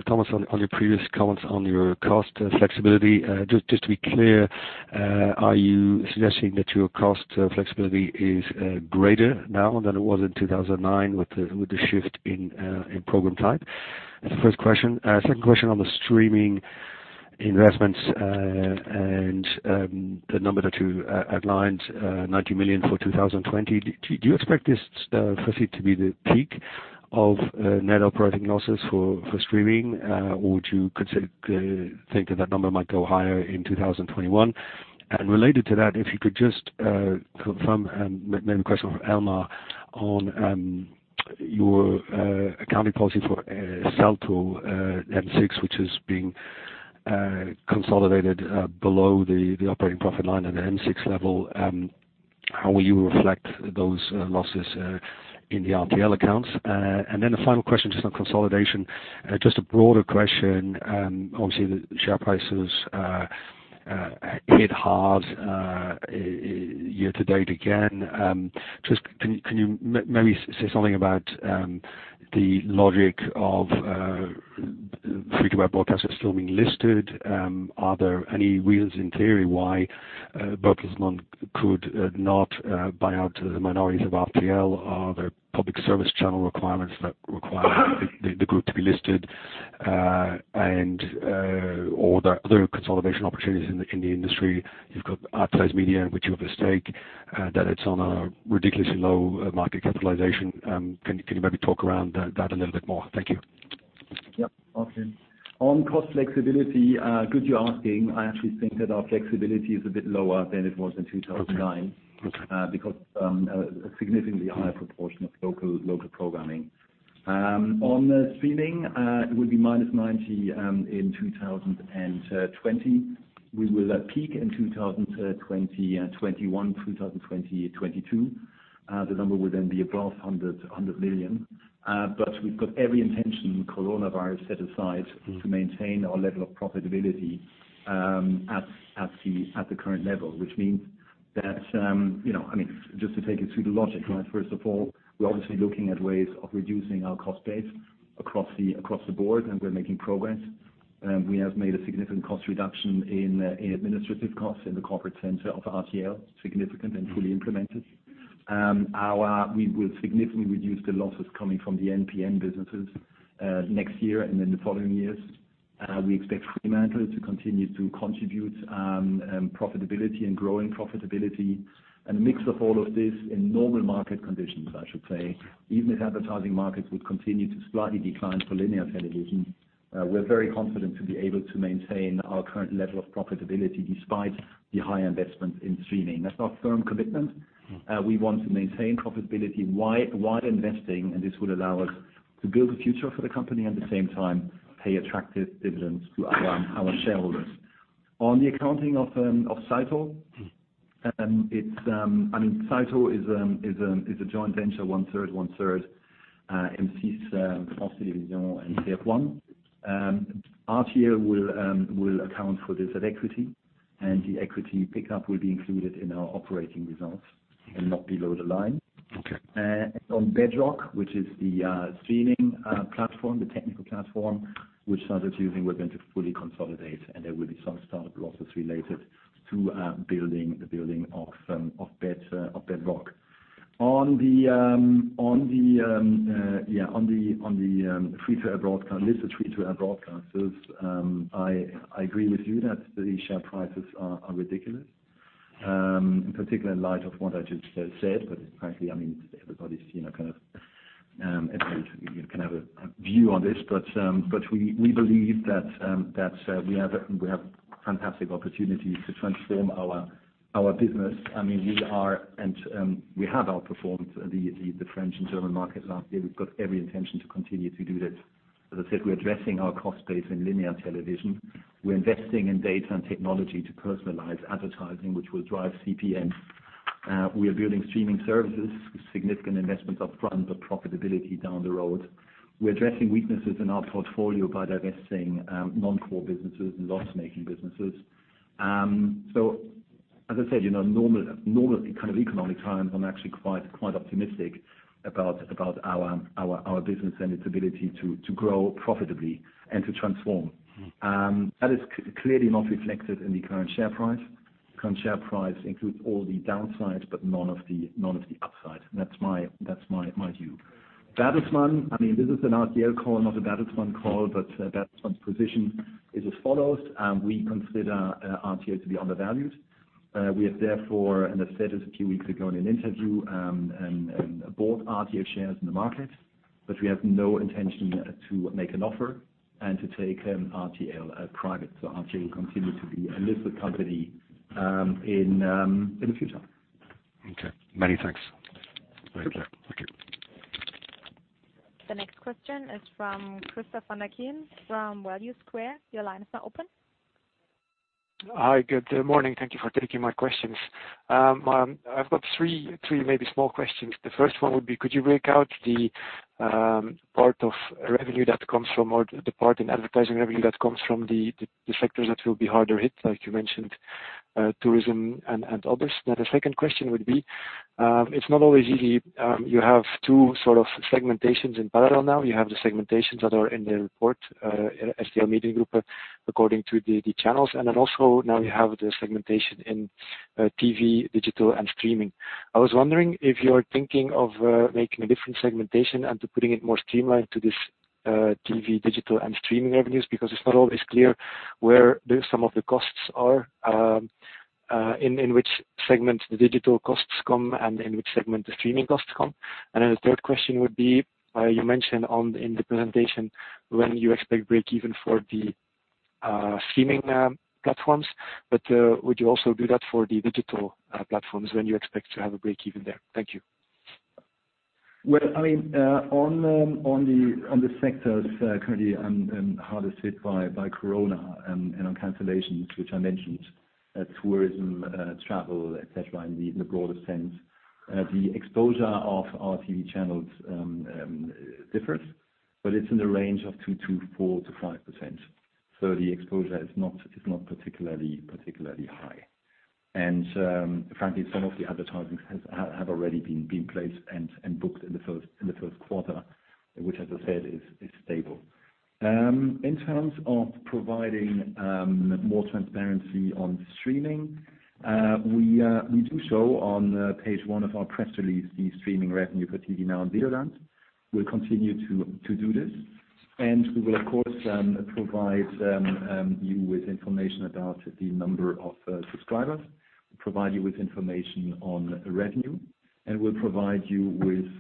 Thomas, on your previous comments on your cost flexibility. Just to be clear, are you suggesting that your cost flexibility is greater now than it was in 2009 with the shift in program type? That's the first question. Second question on the streaming investments, and, the number that you outlined, 90 million for 2020. Do you expect this for it to be the peak of net operating losses for streaming? Do you think that number might go higher in 2021? Related to that, if you could just confirm and maybe a question for Elmar on your accounting policy for Salto, M6, which is being consolidated below the operating profit line at the M6 level. How will you reflect those losses in the RTL accounts? The final question just on consolidation. Just a broader question. Obviously, the share prices hit hard year-to-date again. Can you maybe say something about the logic of free to air broadcasters still being listed? Are there any reasons, in theory, why Bertelsmann could not buy out the minorities of RTL? Are there public service channel requirements that require the group to be listed? Are there other consolidation opportunities in the industry? You've got Atresmedia, which you have a stake, that it's on a ridiculously low market capitalization. Can you maybe talk around that a little bit more? Thank you. Yep, awesome. On cost flexibility, good you're asking. I actually think that our flexibility is a bit lower than it was in 2009. Okay. Because a significantly higher proportion of local programming. On the streaming, it will be -90 in 2020. We will peak in 2021, 2022. The number will be above 100 million. We've got every intention, Coronavirus set aside, to maintain our level of profitability at the current level. Which means that, just to take you through the logic, right? First of all, we're obviously looking at ways of reducing our cost base across the board, and we're making progress. We have made a significant cost reduction in administrative costs in the corporate center of RTL, significant and fully implemented. We will significantly reduce the losses coming from the MPN businesses, next year and in the following years. We expect Fremantle to continue to contribute profitability and growing profitability. A mix of all of this in normal market conditions, I should say. Even if advertising markets would continue to slightly decline for linear television, we're very confident to be able to maintain our current level of profitability despite the high investment in streaming. That's our firm commitment. We want to maintain profitability while investing. This would allow us to build a future for the company, at the same time, pay attractive dividends to our shareholders. On the accounting of Salto. Salto is a joint venture, one-third, one-third, M6, France Télévisions, and TF1. RTL will account for this at equity. The equity pickup will be included in our operating results and not below the line. Okay. On Bedrock, which is the streaming platform, the technical platform, which Salto is using, we're going to fully consolidate, and there will be some startup losses related to the building of Bedrock. On the listed free-to-air broadcasters, I agree with you that the share prices are ridiculous. In particular, in light of what I just said. Frankly, everybody kind of have a view on this, but we believe that we have fantastic opportunities to transform our business. We have outperformed the French and German markets last year. We've got every intention to continue to do that. As I said, we're addressing our cost base in linear television. We're investing in data and technology to personalize advertising, which will drive CPM. We are building streaming services with significant investments upfront, but profitability down the road. We're addressing weaknesses in our portfolio by divesting non-core businesses and loss-making businesses. As I said, normal kind of economic times, I'm actually quite optimistic about our business and its ability to grow profitably and to transform. That is clearly not reflected in the current share price. Current share price includes all the downsides, but none of the upside. That's my view. Bertelsmann, this is an RTL call, not a Bertelsmann call, but Bertelsmann's position is as follows. We consider RTL to be undervalued. We have therefore, I've said this a few weeks ago in an interview, and bought RTL shares in the market. We have no intention to make an offer and to take RTL private. RTL will continue to be a listed company in the future. Okay. Many thanks. The next question is from Christof Nuyens from Value Square. Your line is now open. Hi. Good morning. Thank you for taking my questions. I've got three, maybe small questions. The first one would be, could you break out the part in advertising revenue that comes from the sectors that will be harder hit, like you mentioned, tourism and others? The second question would be, it's not always easy. You have two sort of segmentations in parallel now. You have the segmentations that are in the report, RTL Media Group, according to the channels. Then also, now you have the segmentation in TV, digital, and streaming. I was wondering if you are thinking of making a different segmentation and to putting it more streamlined to this TV, digital, and streaming revenues, because it's not always clear where some of the costs are, in which segment the digital costs come and in which segment the streaming costs come. Then the third question would be, you mentioned in the presentation when you expect break even for the streaming platforms, but would you also do that for the digital platforms, when you expect to have a break even there? Thank you. Well, on the sectors currently hardest hit by COVID and on cancellations, which I mentioned, tourism, travel, et cetera, in the broader sense. The exposure of our TV channels differs, but it's in the range of 2% to 4% to 5%. The exposure is not particularly high. Frankly, some of the advertisings have already been placed and booked in the first quarter, which as I said, is stable. In terms of providing more transparency on streaming, we do so on page one of our press release, the streaming revenue for TVNOW and Videoland. We'll continue to do this, we will, of course, provide you with information about the number of subscribers, provide you with information on revenue, and we'll provide you with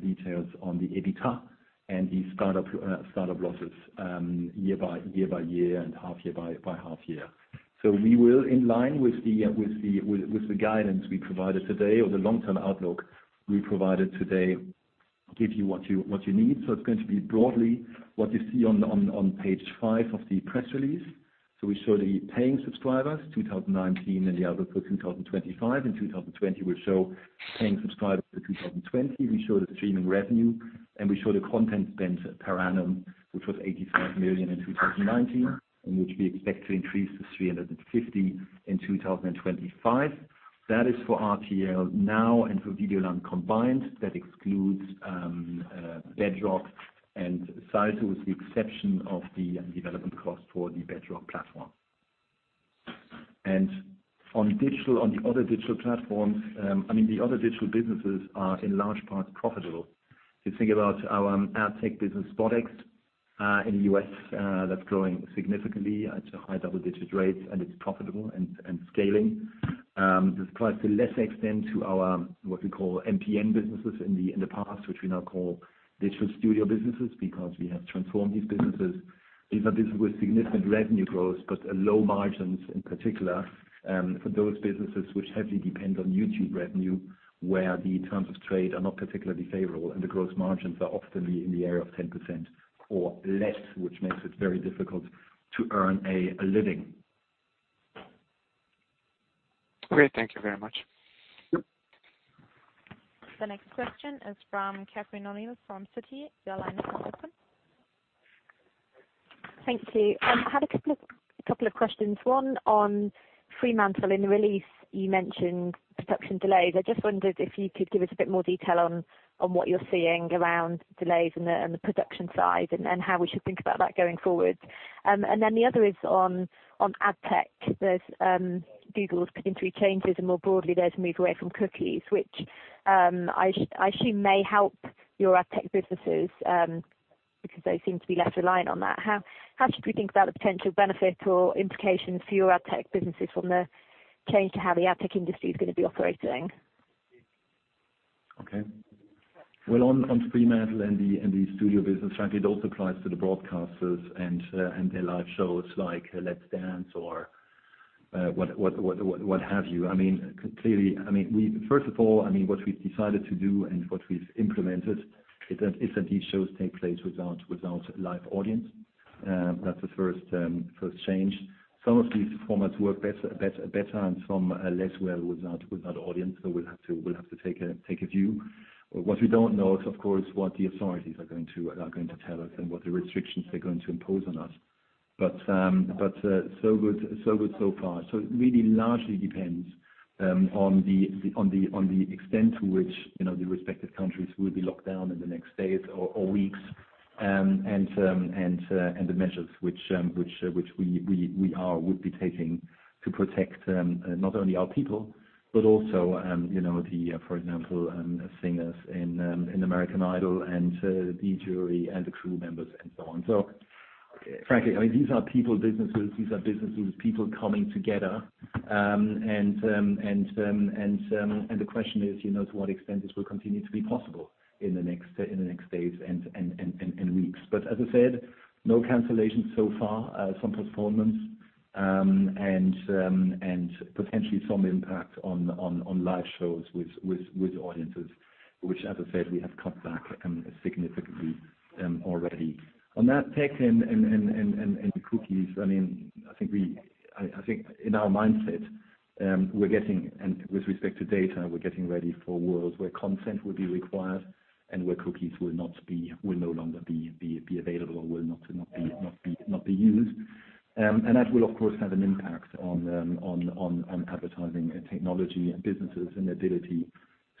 details on the EBITDA and the startup losses year by year and half year by half year. We will, in line with the guidance we provided today or the long-term outlook we provided today, give you what you need. It's going to be broadly what you see on page five of the press release. We show the paying subscribers 2019 and the outlook for 2025. In 2020, we show paying subscribers for 2020, we show the streaming revenue, and we show the content spend per annum, which was 85 million in 2019, and which we expect to increase to 350 million in 2025. That is for TVNOW and for Videoland combined. That excludes Bedrock and Salto, with the exception of the development cost for the Bedrock platform. On the other digital platforms, the other digital businesses are in large part profitable. You think about our AdTech business, SpotX, in the U.S. that's growing significantly at high double-digit rates and it's profitable and scaling. This applies to lesser extent to our, what we call MPN businesses in the past, which we now call digital studio businesses because we have transformed these businesses. These are businesses with significant revenue growth, but low margins in particular, for those businesses which heavily depend on YouTube revenue, where the terms of trade are not particularly favorable and the gross margins are often in the area of 10% or less, which makes it very difficult to earn a living. Great. Thank you very much. The next question is from Catherine O'Neill from Citi. Your line is now open. Thank you. I have a couple of questions. One on Fremantle. In the release you mentioned production delays. I just wondered if you could give us a bit more detail on what you're seeing around delays on the production side and how we should think about that going forward. The other is on AdTech. There's Google's putting through changes and more broadly there's a move away from cookies, which I assume may help your AdTech businesses, because they seem to be less reliant on that. How should we think about the potential benefit or implications for your AdTech businesses from the change to how the AdTech industry is going to be operating? On Fremantle and the studio business, frankly, it also applies to the broadcasters and their live shows, like "Let's Dance" or what have you. First of all, what we've decided to do and what we've implemented is that these shows take place without live audience. That's the first change. Some of these formats work better and some less well without audience. We'll have to take a view. What we don't know is, of course, what the authorities are going to tell us and what the restrictions they're going to impose on us. Good so far. It really largely depends on the extent to which the respective countries will be locked down in the next days or weeks, and the measures which we would be taking to protect not only our people, but also, for example, singers in "American Idol" and the jury and the crew members and so on. Frankly, these are people businesses. These are businesses, people coming together. The question is, to what extent this will continue to be possible in the next days and weeks. As I said, no cancellations so far. Some performance and potentially some impact on live shows with audiences, which, as I said, we have cut back significantly already. On AdTech and the cookies, I think in our mindset, with respect to data, we're getting ready for worlds where consent will be required and where cookies will no longer be available or will not be used. That will, of course, have an impact on advertising and technology and businesses, and ability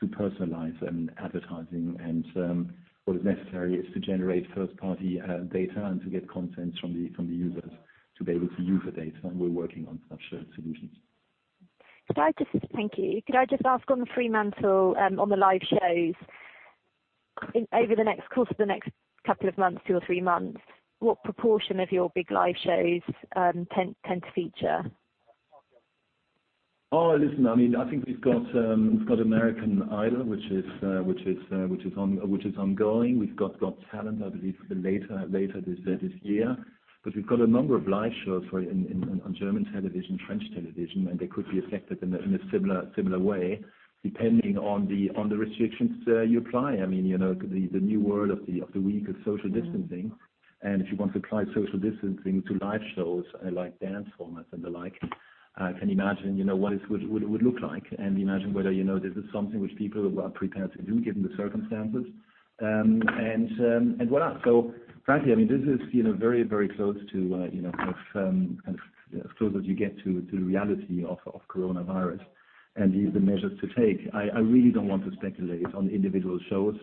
to personalize advertising. What is necessary is to generate first-party data and to get consent from the users to be able to use the data, and we're working on such solutions. Thank you. Could I just ask on Fremantle, on the live shows, over the course of the next couple of months, two or three months, what proportion of your big live shows tend to feature? Listen, I think we've got American Idol, which is ongoing. We've got Got Talent, I believe, for later this year. We've got a number of live shows on German television, French television, and they could be affected in a similar way, depending on the restrictions you apply. The new world of the week of social distancing, and if you want to apply social distancing to live shows, like dance formats and the like, I can imagine what it would look like, and imagine whether this is something which people are prepared to do given the circumstances, and voilà. Frankly, this is very close to as close as you get to the reality of coronavirus and the measures to take. I really don't want to speculate on individual shows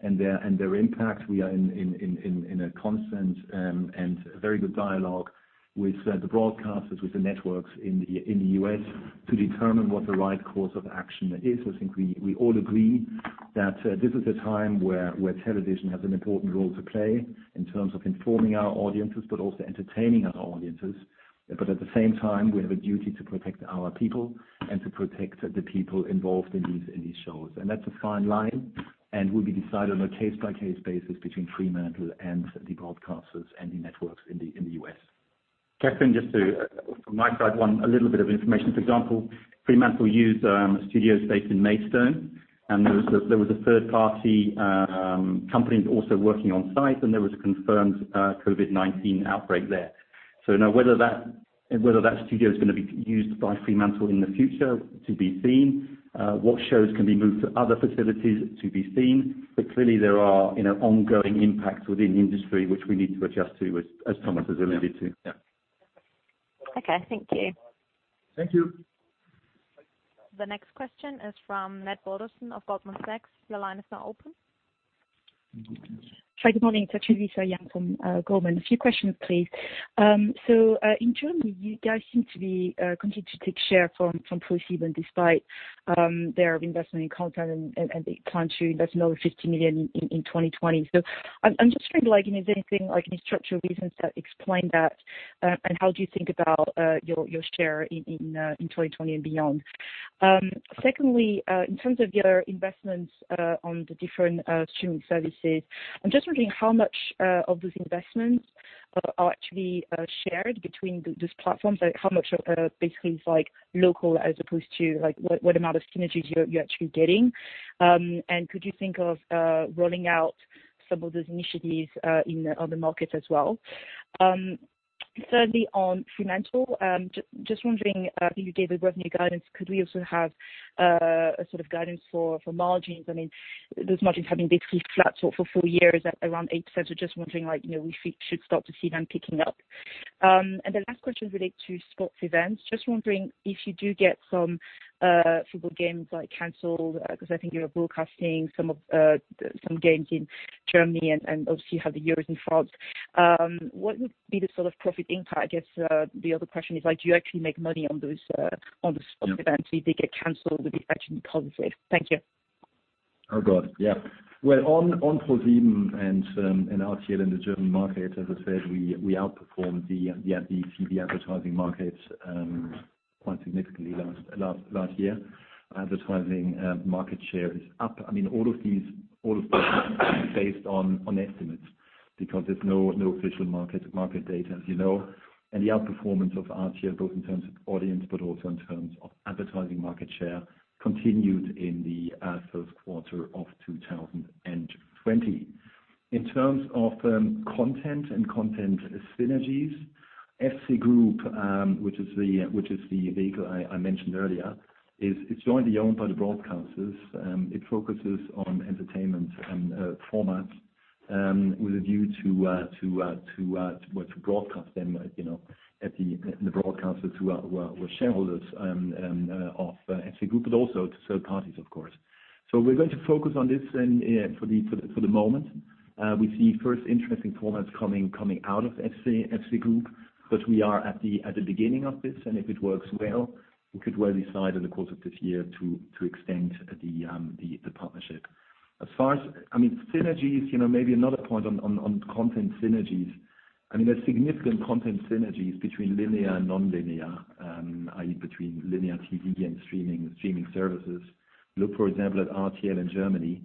and their impact. We are in a constant and very good dialogue with the broadcasters, with the networks in the U.S. to determine what the right course of action is. I think we all agree that this is a time where television has an important role to play in terms of informing our audiences, but also entertaining our audiences. At the same time, we have a duty to protect our people and to protect the people involved in these shows. That's a fine line, and will be decided on a case-by-case basis between Fremantle and the broadcasters and the networks in the U.S. Catherine, just from my side, one, a little bit of information. For example, Fremantle used a studio space in Maidstone, and there was a third-party company also working on site, and there was a confirmed COVID-19 outbreak there. Whether that studio is going to be used by Fremantle in the future, to be seen. What shows can be moved to other facilities, to be seen. Clearly there are ongoing impacts within the industry which we need to adjust to, as Thomas has alluded to. Yeah. Okay. Thank you. Thank you. The next question is from Matthew Baldock of Goldman Sachs. Your line is now open. Good morning. It's actually Lisa Yang from Goldman. A few questions, please. In Germany, you guys seem to be continuing to take share from ProSieben despite their investment in content and they plan to invest another 50 million in 2020. Is there anything, like any structural reasons that explain that? How do you think about your share in 2020 and beyond? Secondly, in terms of the other investments on the different streaming services, I'm just wondering how much of those investments are actually shared between those platforms. How much are basically local as opposed to what amount of synergies you're actually getting? Could you think of rolling out some of those initiatives in other markets as well? Thirdly, on Fremantle, just wondering, I think you gave a revenue guidance. Could we also have a sort of guidance for margins? Those margins have been basically flat for four years at around 8%. Just wondering, we should start to see them picking up. The last question relates to sports events. Just wondering if you do get some football games canceled, because I think you're broadcasting some games in Germany and obviously you have the Euros in France. What would be the sort of profit impact? I guess the other question is, do you actually make money on those- Yeah sports events? If they get canceled, would it actually be positive? Thank you. Oh, God. Yeah. Well, on ProSieben and RTL in the German market, as I said, we outperformed the advertising markets quite significantly last year. Advertising market share is up. All of this is based on estimates because there's no official market data, as you know. The outperformance of RTL, both in terms of audience, but also in terms of advertising market share, continued in the first quarter of 2020. In terms of content and content synergies, FC Group, which is the vehicle I mentioned earlier, is jointly owned by the broadcasters. It focuses on entertainment and formats with a view to broadcast them at the broadcasters who are shareholders of FC Group, but also to third parties, of course. We're going to focus on this for the moment. We see first interesting formats coming out of FC Group, but we are at the beginning of this, and if it works well, we could well decide in the course of this year to extend the partnership. Synergies, maybe another point on content synergies. There's significant content synergies between linear and non-linear, i.e., between linear TV and streaming services. Look, for example, at RTL in Germany.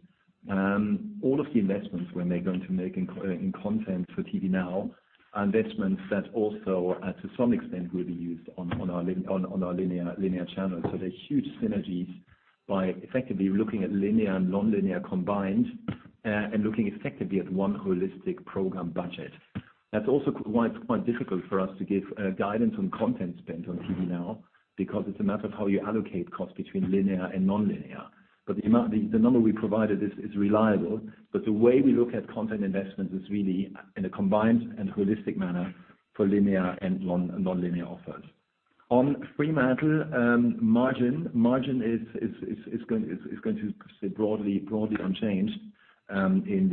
All of the investments we're now going to make in content for TVNOW are investments that also, to some extent, will be used on our linear channels. There's huge synergies by effectively looking at linear and non-linear combined, and looking effectively at one holistic program budget. That's also why it's quite difficult for us to give guidance on content spend on TVNOW, because it's a matter of how you allocate cost between linear and non-linear. The number we provided is reliable, but the way we look at content investments is really in a combined and holistic manner for linear and non-linear offers. On Fremantle margin is going to stay broadly unchanged in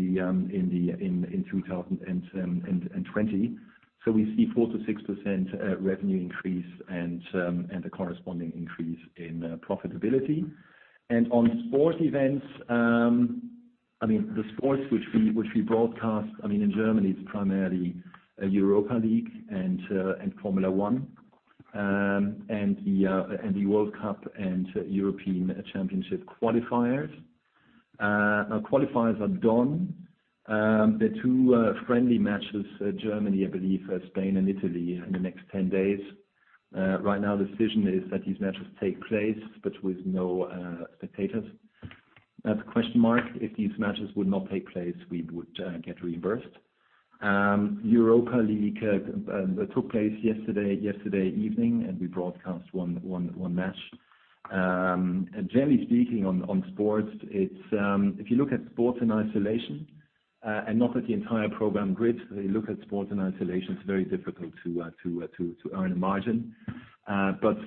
2020. We see 4%-6% revenue increase and the corresponding increase in profitability. On sports events, the sports which we broadcast in Germany is primarily Europa League and Formula One, and the World Cup and European Championship qualifiers. Qualifiers are done. The two friendly matches, Germany, I believe Spain and Italy in the next 10 days. Right now, the decision is that these matches take place, but with no spectators. As a question mark, if these matches would not take place, we would get reimbursed. Europa League took place yesterday evening, and we broadcast one match. Generally speaking, on sports, if you look at sports in isolation and not at the entire program grid, if you look at sports in isolation, it is very difficult to earn a margin.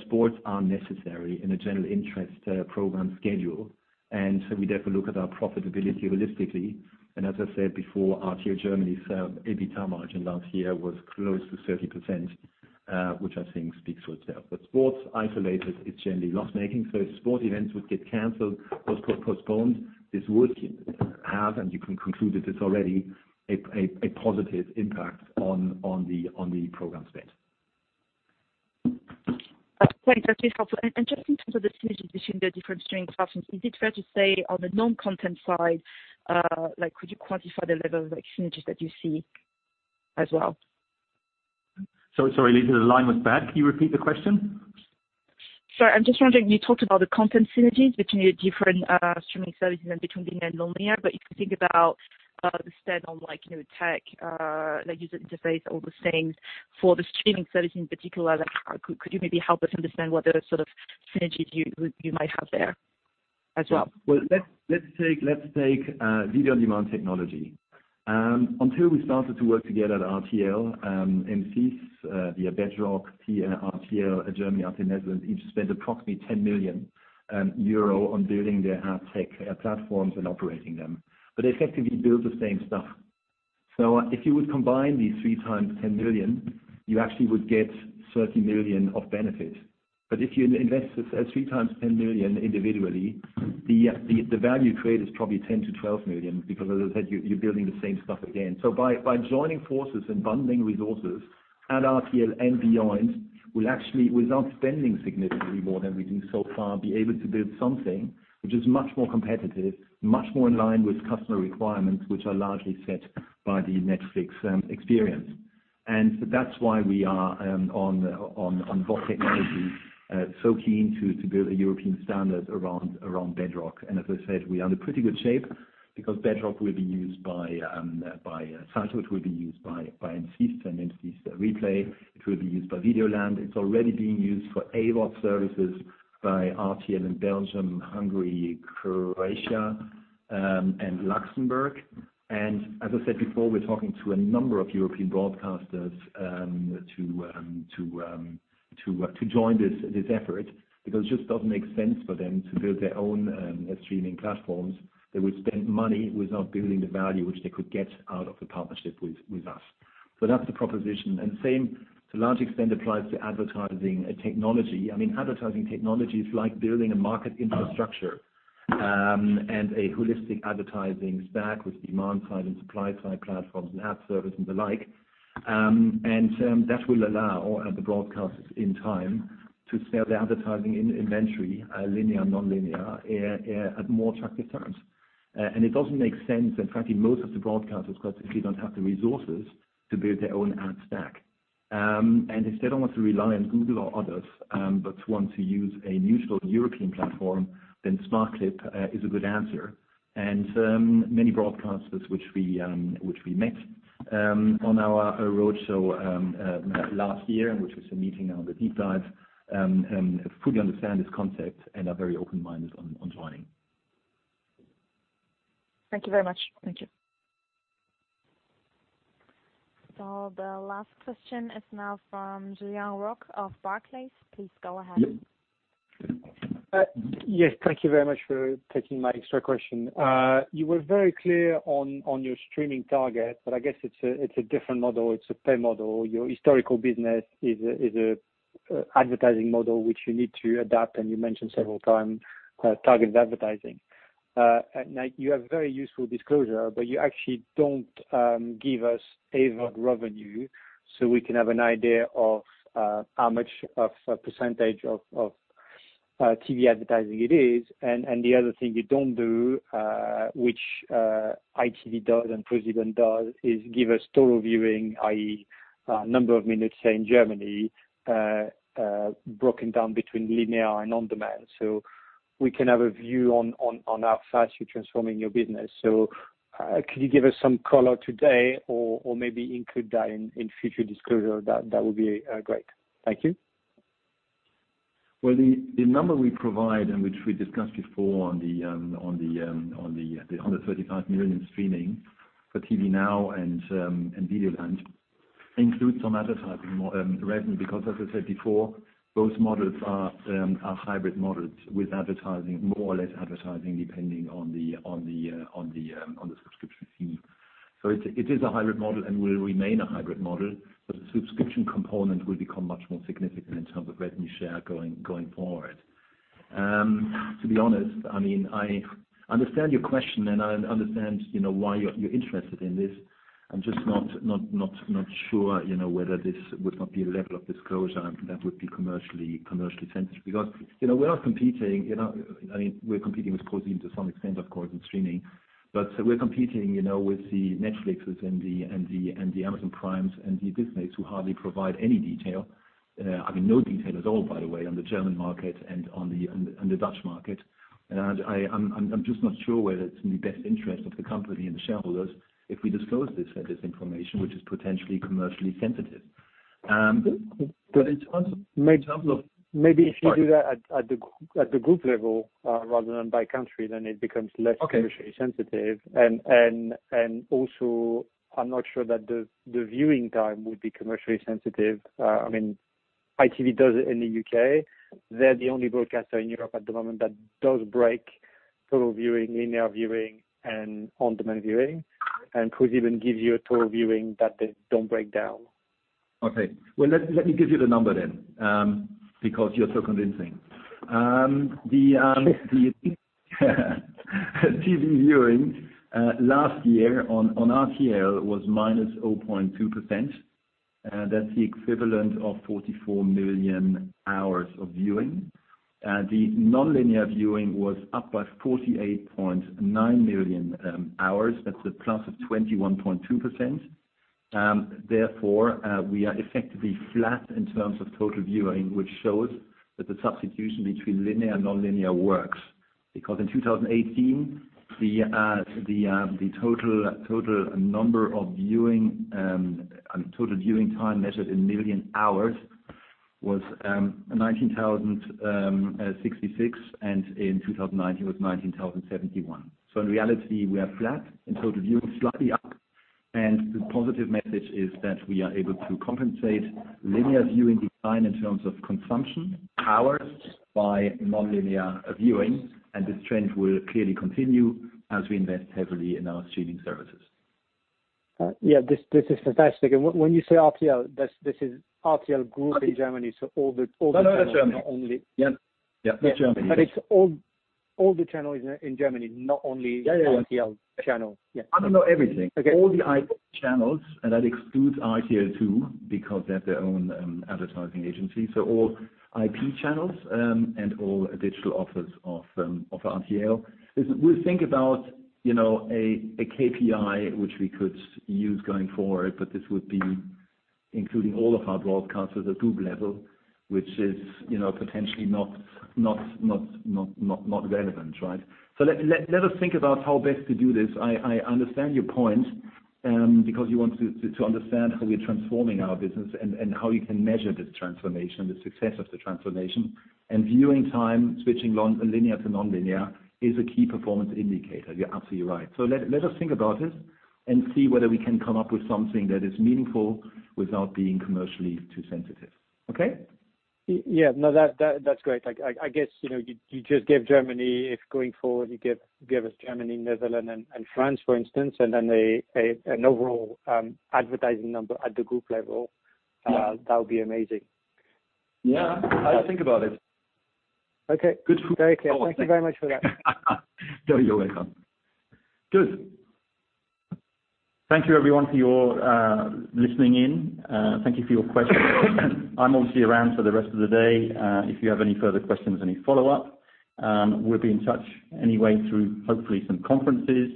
Sports are necessary in a general interest program schedule. We therefore look at our profitability holistically. As I said before, RTL Deutschland's EBITA margin last year was close to 30%, which I think speaks for itself. Sports isolated is generally loss-making. If sports events would get canceled or postponed, you can conclude that it is already a positive impact on the program spend. Great. That's really helpful. Just in terms of the synergies between the different streaming platforms, is it fair to say on the non-content side, could you quantify the level of synergies that you see as well? Sorry, Lisa, the line was bad. Can you repeat the question? Sorry, I'm just wondering, you talked about the content synergies between the different streaming services and between linear and non-linear, but if you think about the spend on tech, like user interface, all those things, for the streaming service in particular, could you maybe help us understand what the sort of synergies you might have there as well? Let's take video-on-demand technology. Until we started to work together at RTL, M6, via Bedrock, RTL Germany, RTL Netherlands, each spent approximately 10 million euro on building their ad tech platforms and operating them. They effectively build the same stuff. If you would combine these three times 10 million, you actually would get 30 million of benefit. If you invest three times 10 million individually, the value created is probably 10 million-12 million, because, as I said, you're building the same stuff again. By joining forces and bundling resources at RTL and beyond, we'll actually, without spending significantly more than we do so far, be able to build something which is much more competitive, much more in line with customer requirements, which are largely set by the Netflix experience. That's why we are, on VOD technology, so keen to build a European standard around Bedrock. As I said, we are in pretty good shape because Bedrock will be used by Starz, it will be used by M6 and M6 Replay, it will be used by Videoland. It's already being used for AVOD services by RTL in Belgium, Hungary, Croatia, and Luxembourg. As I said before, we're talking to a number of European broadcasters to join this effort because it just doesn't make sense for them to build their own streaming platforms. They would spend money without building the value which they could get out of the partnership with us. That's the proposition, and same, to a large extent, applies to advertising technology. Advertising technology is like building a market infrastructure and a holistic advertising stack with demand-side and supply-side platforms and ad servers and the like. That will allow the broadcasters in time to sell the advertising inventory, linear and non-linear, at more attractive terms. It doesn't make sense. In fact, most of the broadcasters quite simply don't have the resources to build their own ad stack. If they don't want to rely on Google or others, but want to use a neutral European platform, then smartclip is a good answer. Many broadcasters which we met on our roadshow last year, and which was a meeting on the deep dive, fully understand this concept and are very open-minded on joining. Thank you very much. Thank you. The last question is now from Julien Roch of Barclays. Please go ahead. Yes. Thank you very much for taking my extra question. You were very clear on your streaming target. I guess it's a different model. It's a pay model. Your historical business is an advertising model which you need to adapt, and you mentioned several times targeted advertising. You have very useful disclosure, but you actually don't give us AVOD revenue so we can have an idea of how much of a percentage of TV advertising it is, and the other thing you don't do, which ITV does and ProSieben does, is give us total viewing, i.e., number of minutes, say in Germany, broken down between linear and on-demand. We can have a view on how fast you're transforming your business. Could you give us some color today or maybe include that in future disclosure? That would be great. Thank you. The number we provide and which we discussed before on the 135 million streaming for TVNOW and Videoland includes some advertising revenue, because as I said before, both models are hybrid models with more or less advertising depending on the subscription fee. It is a hybrid model and will remain a hybrid model, but the subscription component will become much more significant in terms of revenue share going forward. To be honest, I understand your question and I understand why you're interested in this. I'm just not sure whether this would not be a level of disclosure that would be commercially sensitive. We're competing with ProSieben to some extent, of course, in streaming. We're competing with the Netflix's and the Amazon Prime's and the Disney's who hardly provide any detail. I mean, no detail at all, by the way, on the German market and on the Dutch market. I'm just not sure whether it's in the best interest of the company and the shareholders if we disclose this information, which is potentially commercially sensitive. Maybe if you do that at the group level rather than by country, then it becomes less- Okay commercially sensitive. Also, I'm not sure that the viewing time would be commercially sensitive. ITV does it in the U.K. They're the only broadcaster in Europe at the moment that does break total viewing, linear viewing, and on-demand viewing. ProSieben gives you a total viewing that they don't break down. Okay. Well, let me give you the number, because you're so convincing. The TV viewing, last year on RTL was -0.2%. That's the equivalent of 44 million hours of viewing. The non-linear viewing was up by 48.9 million hours. That's a plus of 21.2%. We are effectively flat in terms of total viewing, which shows that the substitution between linear and non-linear works. In 2018, the total number of viewing, and total viewing time measured in million hours was 19,066, and in 2019 was 19,071. In reality, we are flat. In total viewing, slightly up. The positive message is that we are able to compensate linear viewing decline in terms of consumption hours by non-linear viewing, and this trend will clearly continue as we invest heavily in our streaming services. Yeah, this is fantastic. When you say RTL, this is RTL Group in Germany. No, that's Germany. not only- Yep. Yeah. That's Germany. It's all the channels in Germany, not only- Yeah, yeah. RTL channel. Yeah. I don't know everything. Okay. All the IP channels, and that excludes RTL Zwei, because they have their own advertising agency. All IP channels, and all digital offers of RTL. We'll think about a KPI which we could use going forward, but this would be including all of our broadcasters at group level, which is potentially not relevant, right? Let us think about how best to do this. I understand your point, because you want to understand how we're transforming our business and how you can measure this transformation, the success of the transformation. Viewing time, switching linear to non-linear is a key performance indicator. You're absolutely right. Let us think about it and see whether we can come up with something that is meaningful without being commercially too sensitive. Okay? Yeah. No, that's great. I guess, you just gave Germany. If going forward, you give us Germany, Netherlands, and France, for instance, and then an overall advertising number at the group level. Yeah that would be amazing. Yeah. I'll think about it. Okay. Good. Very clear. Thank you very much for that. You're welcome. Good. Thank you everyone for your listening in. Thank you for your questions. I'm obviously around for the rest of the day. If you have any further questions, any follow-up, we'll be in touch anyway through hopefully some conferences,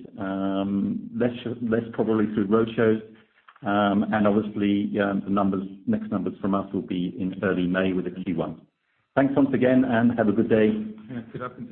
less probably through roadshows. Obviously, the next numbers from us will be in early May with the Q1. Thanks once again. Have a good day. Yeah. See you.